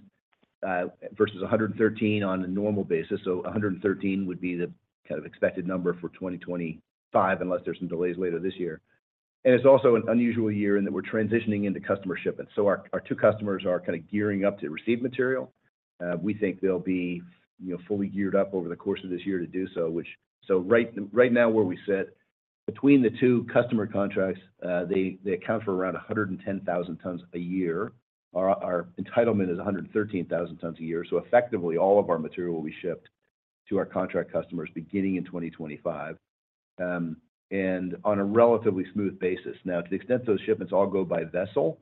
versus 113,000 on a normal basis. So 113,000 would be the kind of expected number for 2025 unless there's some delays later this year. And it's also an unusual year in that we're transitioning into customer shipments. So our two customers are kind of gearing up to receive material. We think they'll be fully geared up over the course of this year to do so. So right now where we sit, between the two customer contracts, they account for around 110,000 tons a year. Our entitlement is 113,000 tons a year. So effectively, all of our material will be shipped to our contract customers beginning in 2025 and on a relatively smooth basis. Now, to the extent those shipments all go by vessel,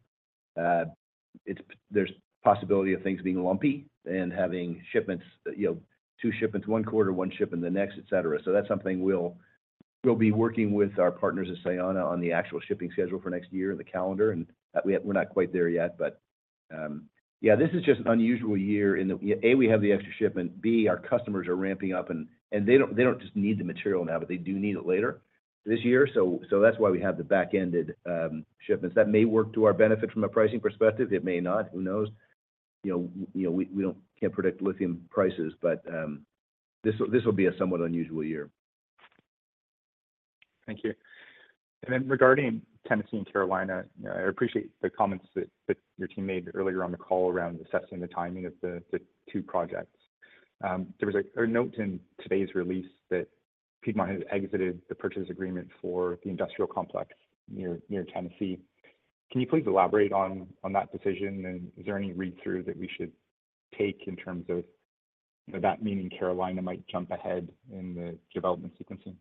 there's possibility of things being lumpy and having shipments, two shipments, one quarter, one shipment, the next, etc. So that's something we'll be working with our partners at Sayona on the actual shipping schedule for next year and the calendar. And we're not quite there yet. But yeah, this is just an unusual year in that, A, we have the extra shipment. B, our customers are ramping up, and they don't just need the material now, but they do need it later this year. So that's why we have the back-ended shipments. That may work to our benefit from a pricing perspective. It may not. Who knows? We can't predict lithium prices, but this will be a somewhat unusual year. Thank you. Regarding Tennessee and Carolina, I appreciate the comments that your team made earlier on the call around assessing the timing of the two projects. There was a note in today's release that Piedmont had exited the purchase agreement for the industrial complex near Tennessee. Can you please elaborate on that decision? And is there any read-through that we should take in terms of that meaning Carolina might jump ahead in the development sequencing?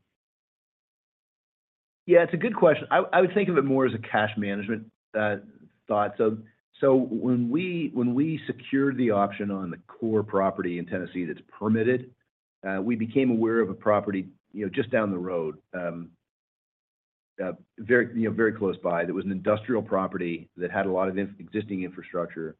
Yeah. It's a good question. I would think of it more as a cash management thought. So when we secured the option on the core property in Tennessee that's permitted, we became aware of a property just down the road, very close by, that was an industrial property that had a lot of existing infrastructure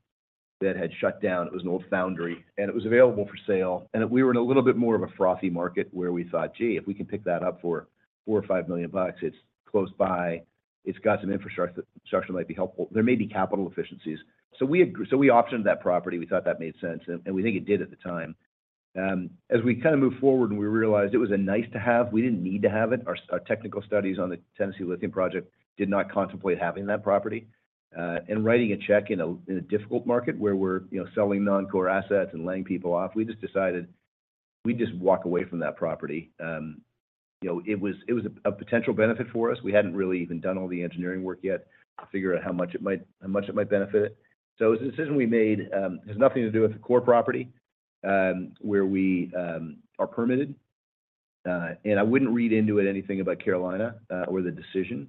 that had shut down. It was an old foundry, and it was available for sale. And we were in a little bit more of a frothy market where we thought, "Gee, if we can pick that up for $4 million or $5 million, it's close by. It's got some infrastructure that might be helpful. There may be capital efficiencies." So we optioned that property. We thought that made sense, and we think it did at the time. As we kind of moved forward and we realized it was a nice-to-have, we didn't need to have it. Our technical studies on the Tennessee Lithium project did not contemplate having that property. Writing a check in a difficult market where we're selling non-core assets and laying people off, we just decided we'd just walk away from that property. It was a potential benefit for us. We hadn't really even done all the engineering work yet to figure out how much it might benefit it. So it was a decision we made. It has nothing to do with the core property where we are permitted. I wouldn't read into it anything about Carolina or the decision.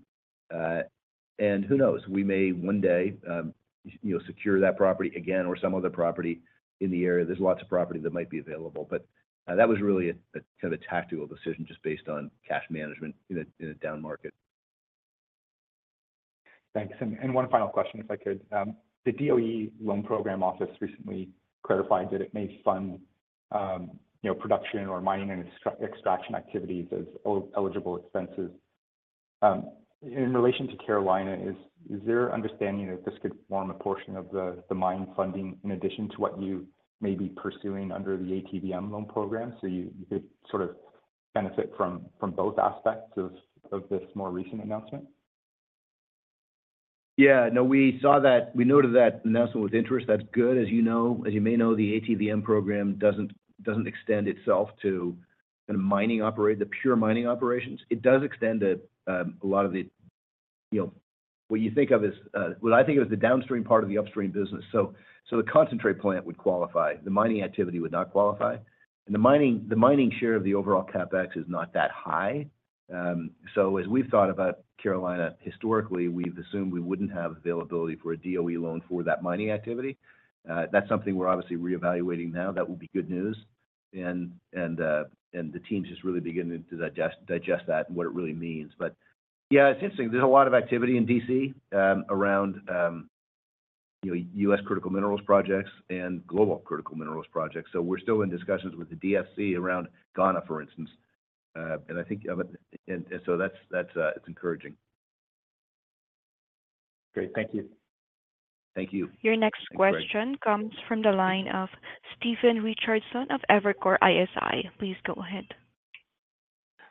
Who knows? We may one day secure that property again or some other property in the area. There's lots of property that might be available. But that was really kind of a tactical decision just based on cash management in a down market. Thanks. One final question, if I could. The DOE loan program office recently clarified that it may fund production or mining and extraction activities as eligible expenses. In relation to Carolina, is there an understanding that this could form a portion of the mine funding in addition to what you may be pursuing under the ATVM loan program? You could sort of benefit from both aspects of this more recent announcement? Yeah. No. We noted that announcement with interest. That's good. As you may know, the ATVM program doesn't extend itself to kind of the pure mining operations. It does extend to a lot of the what you think of as what I think of as the downstream part of the upstream business. So the concentrate plant would qualify. The mining activity would not qualify. And the mining share of the overall CapEx is not that high. So as we've thought about Carolina historically, we've assumed we wouldn't have availability for a DOE loan for that mining activity. That's something we're obviously reevaluating now. That will be good news. And the team's just really beginning to digest that and what it really means. But yeah, it's interesting. There's a lot of activity in D.C. around U.S. critical minerals projects and global critical minerals projects. We're still in discussions with the DFC around Ghana, for instance. I think of it and so it's encouraging. Great. Thank you. Thank you. Your next question comes from the line of Stephen Richardson of Evercore ISI. Please go ahead.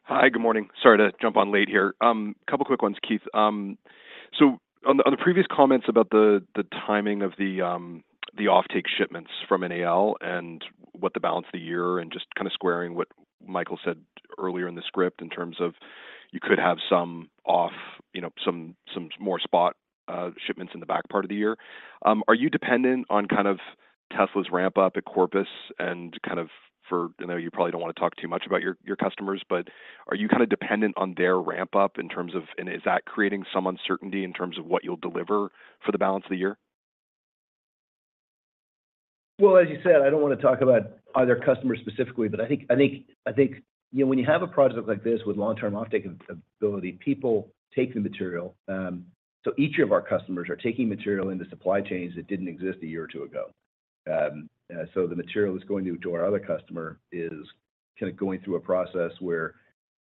Hi. Good morning. Sorry to jump on late here. A couple of quick ones, Keith. So on the previous comments about the timing of the offtake shipments from NAL and what the balance of the year and just kind of squaring what Michael said earlier in the script in terms of you could have some more spot shipments in the back part of the year, are you dependent on kind of Tesla's ramp-up at Corpus Christi and kind of for I know you probably don't want to talk too much about your customers, but are you kind of dependent on their ramp-up in terms of and is that creating some uncertainty in terms of what you'll deliver for the balance of the year? Well, as you said, I don't want to talk about other customers specifically, but I think when you have a project like this with long-term offtake ability, people take the material. So each of our customers are taking material into supply chains that didn't exist a year or two ago. So the material that's going to our other customer is kind of going through a process where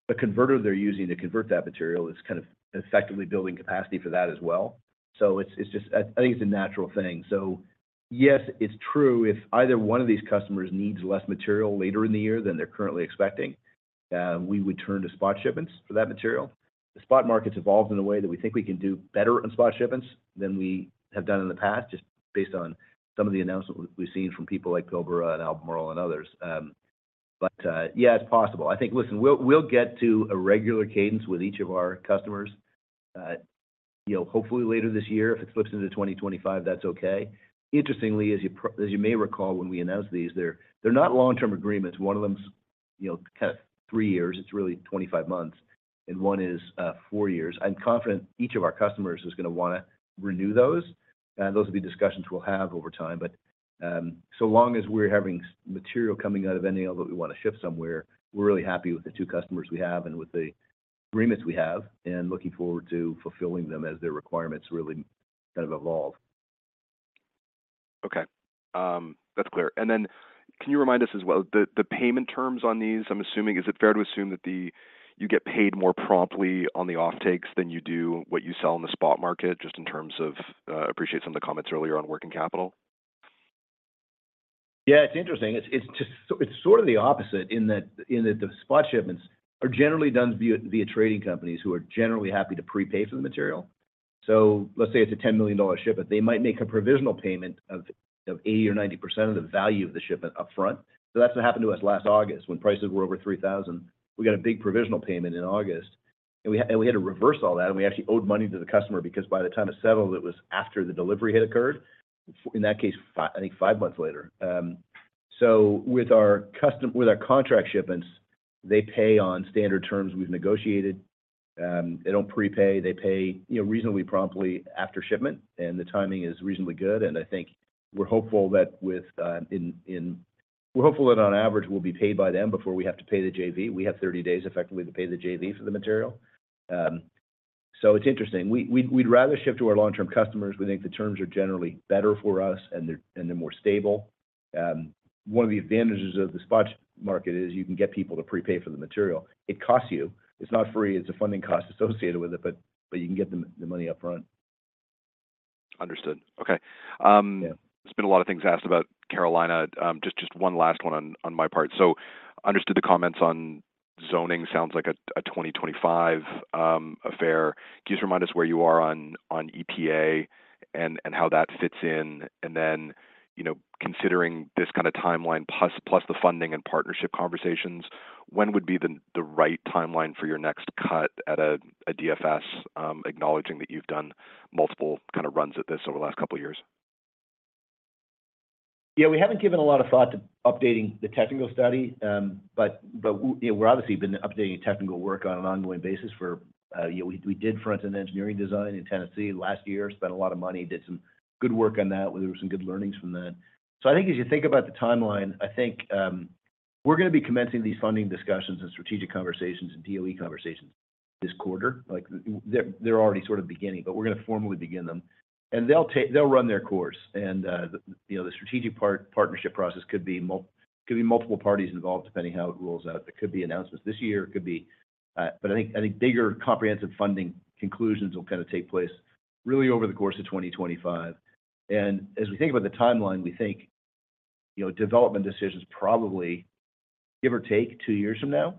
the converter they're using to convert that material is kind of effectively building capacity for that as well. So I think it's a natural thing. So yes, it's true. If either one of these customers needs less material later in the year than they're currently expecting, we would turn to spot shipments for that material. The spot market's evolved in a way that we think we can do better on spot shipments than we have done in the past just based on some of the announcements we've seen from people like Pilbara and Albemarle and others. But yeah, it's possible. I think, listen, we'll get to a regular cadence with each of our customers. Hopefully, later this year, if it slips into 2025, that's okay. Interestingly, as you may recall when we announced these, they're not long-term agreements. One of them's kind of three years. It's really 25 months. And one is four years. I'm confident each of our customers is going to want to renew those. Those will be discussions we'll have over time. But so long as we're having material coming out of NAL that we want to ship somewhere, we're really happy with the two customers we have and with the agreements we have and looking forward to fulfilling them as their requirements really kind of evolve. Okay. That's clear. And then can you remind us as well the payment terms on these, I'm assuming? Is it fair to assume that you get paid more promptly on the offtakes than you do what you sell in the spot market just in terms of I appreciate some of the comments earlier on working capital? Yeah. It's interesting. It's sort of the opposite in that the spot shipments are generally done via trading companies who are generally happy to prepay for the material. So let's say it's a $10 million shipment. They might make a provisional payment of 80% or 90% of the value of the shipment upfront. So that's what happened to us last August when prices were over 3,000. We got a big provisional payment in August, and we had to reverse all that. And we actually owed money to the customer because by the time it settled, it was after the delivery had occurred, in that case, I think, five months later. So with our contract shipments, they pay on standard terms we've negotiated. They don't prepay. They pay reasonably promptly after shipment, and the timing is reasonably good. And I think we're hopeful that on average, we'll be paid by them before we have to pay the JV. We have 30 days effectively to pay the JV for the material. So it's interesting. We'd rather ship to our long-term customers. We think the terms are generally better for us, and they're more stable. One of the advantages of the spot market is you can get people to prepay for the material. It costs you. It's not free. It's a funding cost associated with it, but you can get the money upfront. Understood. Okay. There's been a lot of things asked about Carolina. Just one last one on my part. So I understood the comments on zoning. Sounds like a 2025 affair. Can you just remind us where you are on EPA and how that fits in? And then considering this kind of timeline plus the funding and partnership conversations, when would be the right timeline for your next cut at a DFS acknowledging that you've done multiple kind of runs at this over the last couple of years? Yeah. We haven't given a lot of thought to updating the technical study, but we're obviously been updating technical work on an ongoing basis for we did front-end engineering design in Tennessee last year, spent a lot of money, did some good work on that. There were some good learnings from that. So I think as you think about the timeline, I think we're going to be commencing these funding discussions and strategic conversations and DOE conversations this quarter. They're already sort of beginning, but we're going to formally begin them. And they'll run their course. And the strategic partnership process could be multiple parties involved depending how it rolls out. There could be announcements this year. It could be but I think bigger comprehensive funding conclusions will kind of take place really over the course of 2025. As we think about the timeline, we think development decisions probably, give or take, two years from now.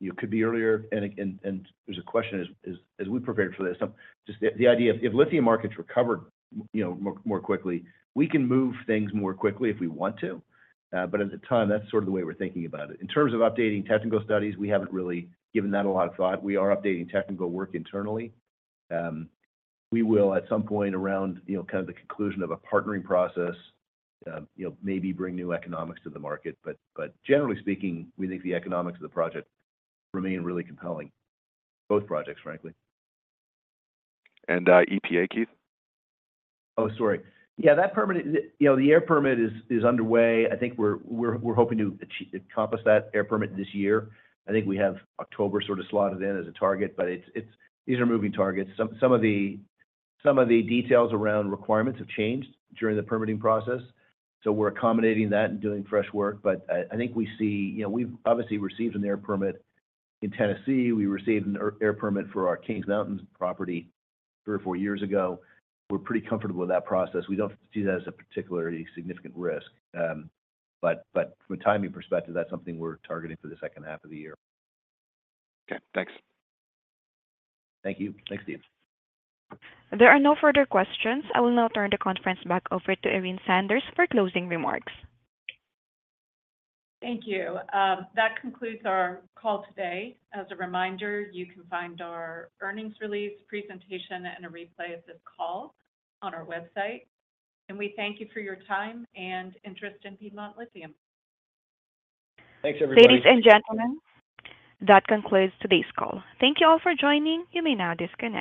It could be earlier. There's a question as we prepared for this, just the idea of if lithium markets recovered more quickly, we can move things more quickly if we want to. At the time, that's sort of the way we're thinking about it. In terms of updating technical studies, we haven't really given that a lot of thought. We are updating technical work internally. We will, at some point around kind of the conclusion of a partnering process, maybe bring new economics to the market. Generally speaking, we think the economics of the project remain really compelling, both projects, frankly. EPA, Keith? Oh, sorry. Yeah. The air permit is underway. I think we're hoping to encompass that air permit this year. I think we have October sort of slotted in as a target, but these are moving targets. Some of the details around requirements have changed during the permitting process. So we're accommodating that and doing fresh work. But I think we see we've obviously received an air permit in Tennessee. We received an air permit for our Kings Mountain property three or 4 years ago. We're pretty comfortable with that process. We don't see that as a particularly significant risk. But from a timing perspective, that's something we're targeting for the second half of the year. Okay. Thanks. Thank you. Thanks, Steve. There are no further questions. I will now turn the conference back over to Erin Sanders for closing remarks. Thank you. That concludes our call today. As a reminder, you can find our earnings release presentation and a replay of this call on our website. We thank you for your time and interest in Piedmont Lithium. Thanks, everybody. Ladies and gentlemen, that concludes today's call. Thank you all for joining. You may now disconnect.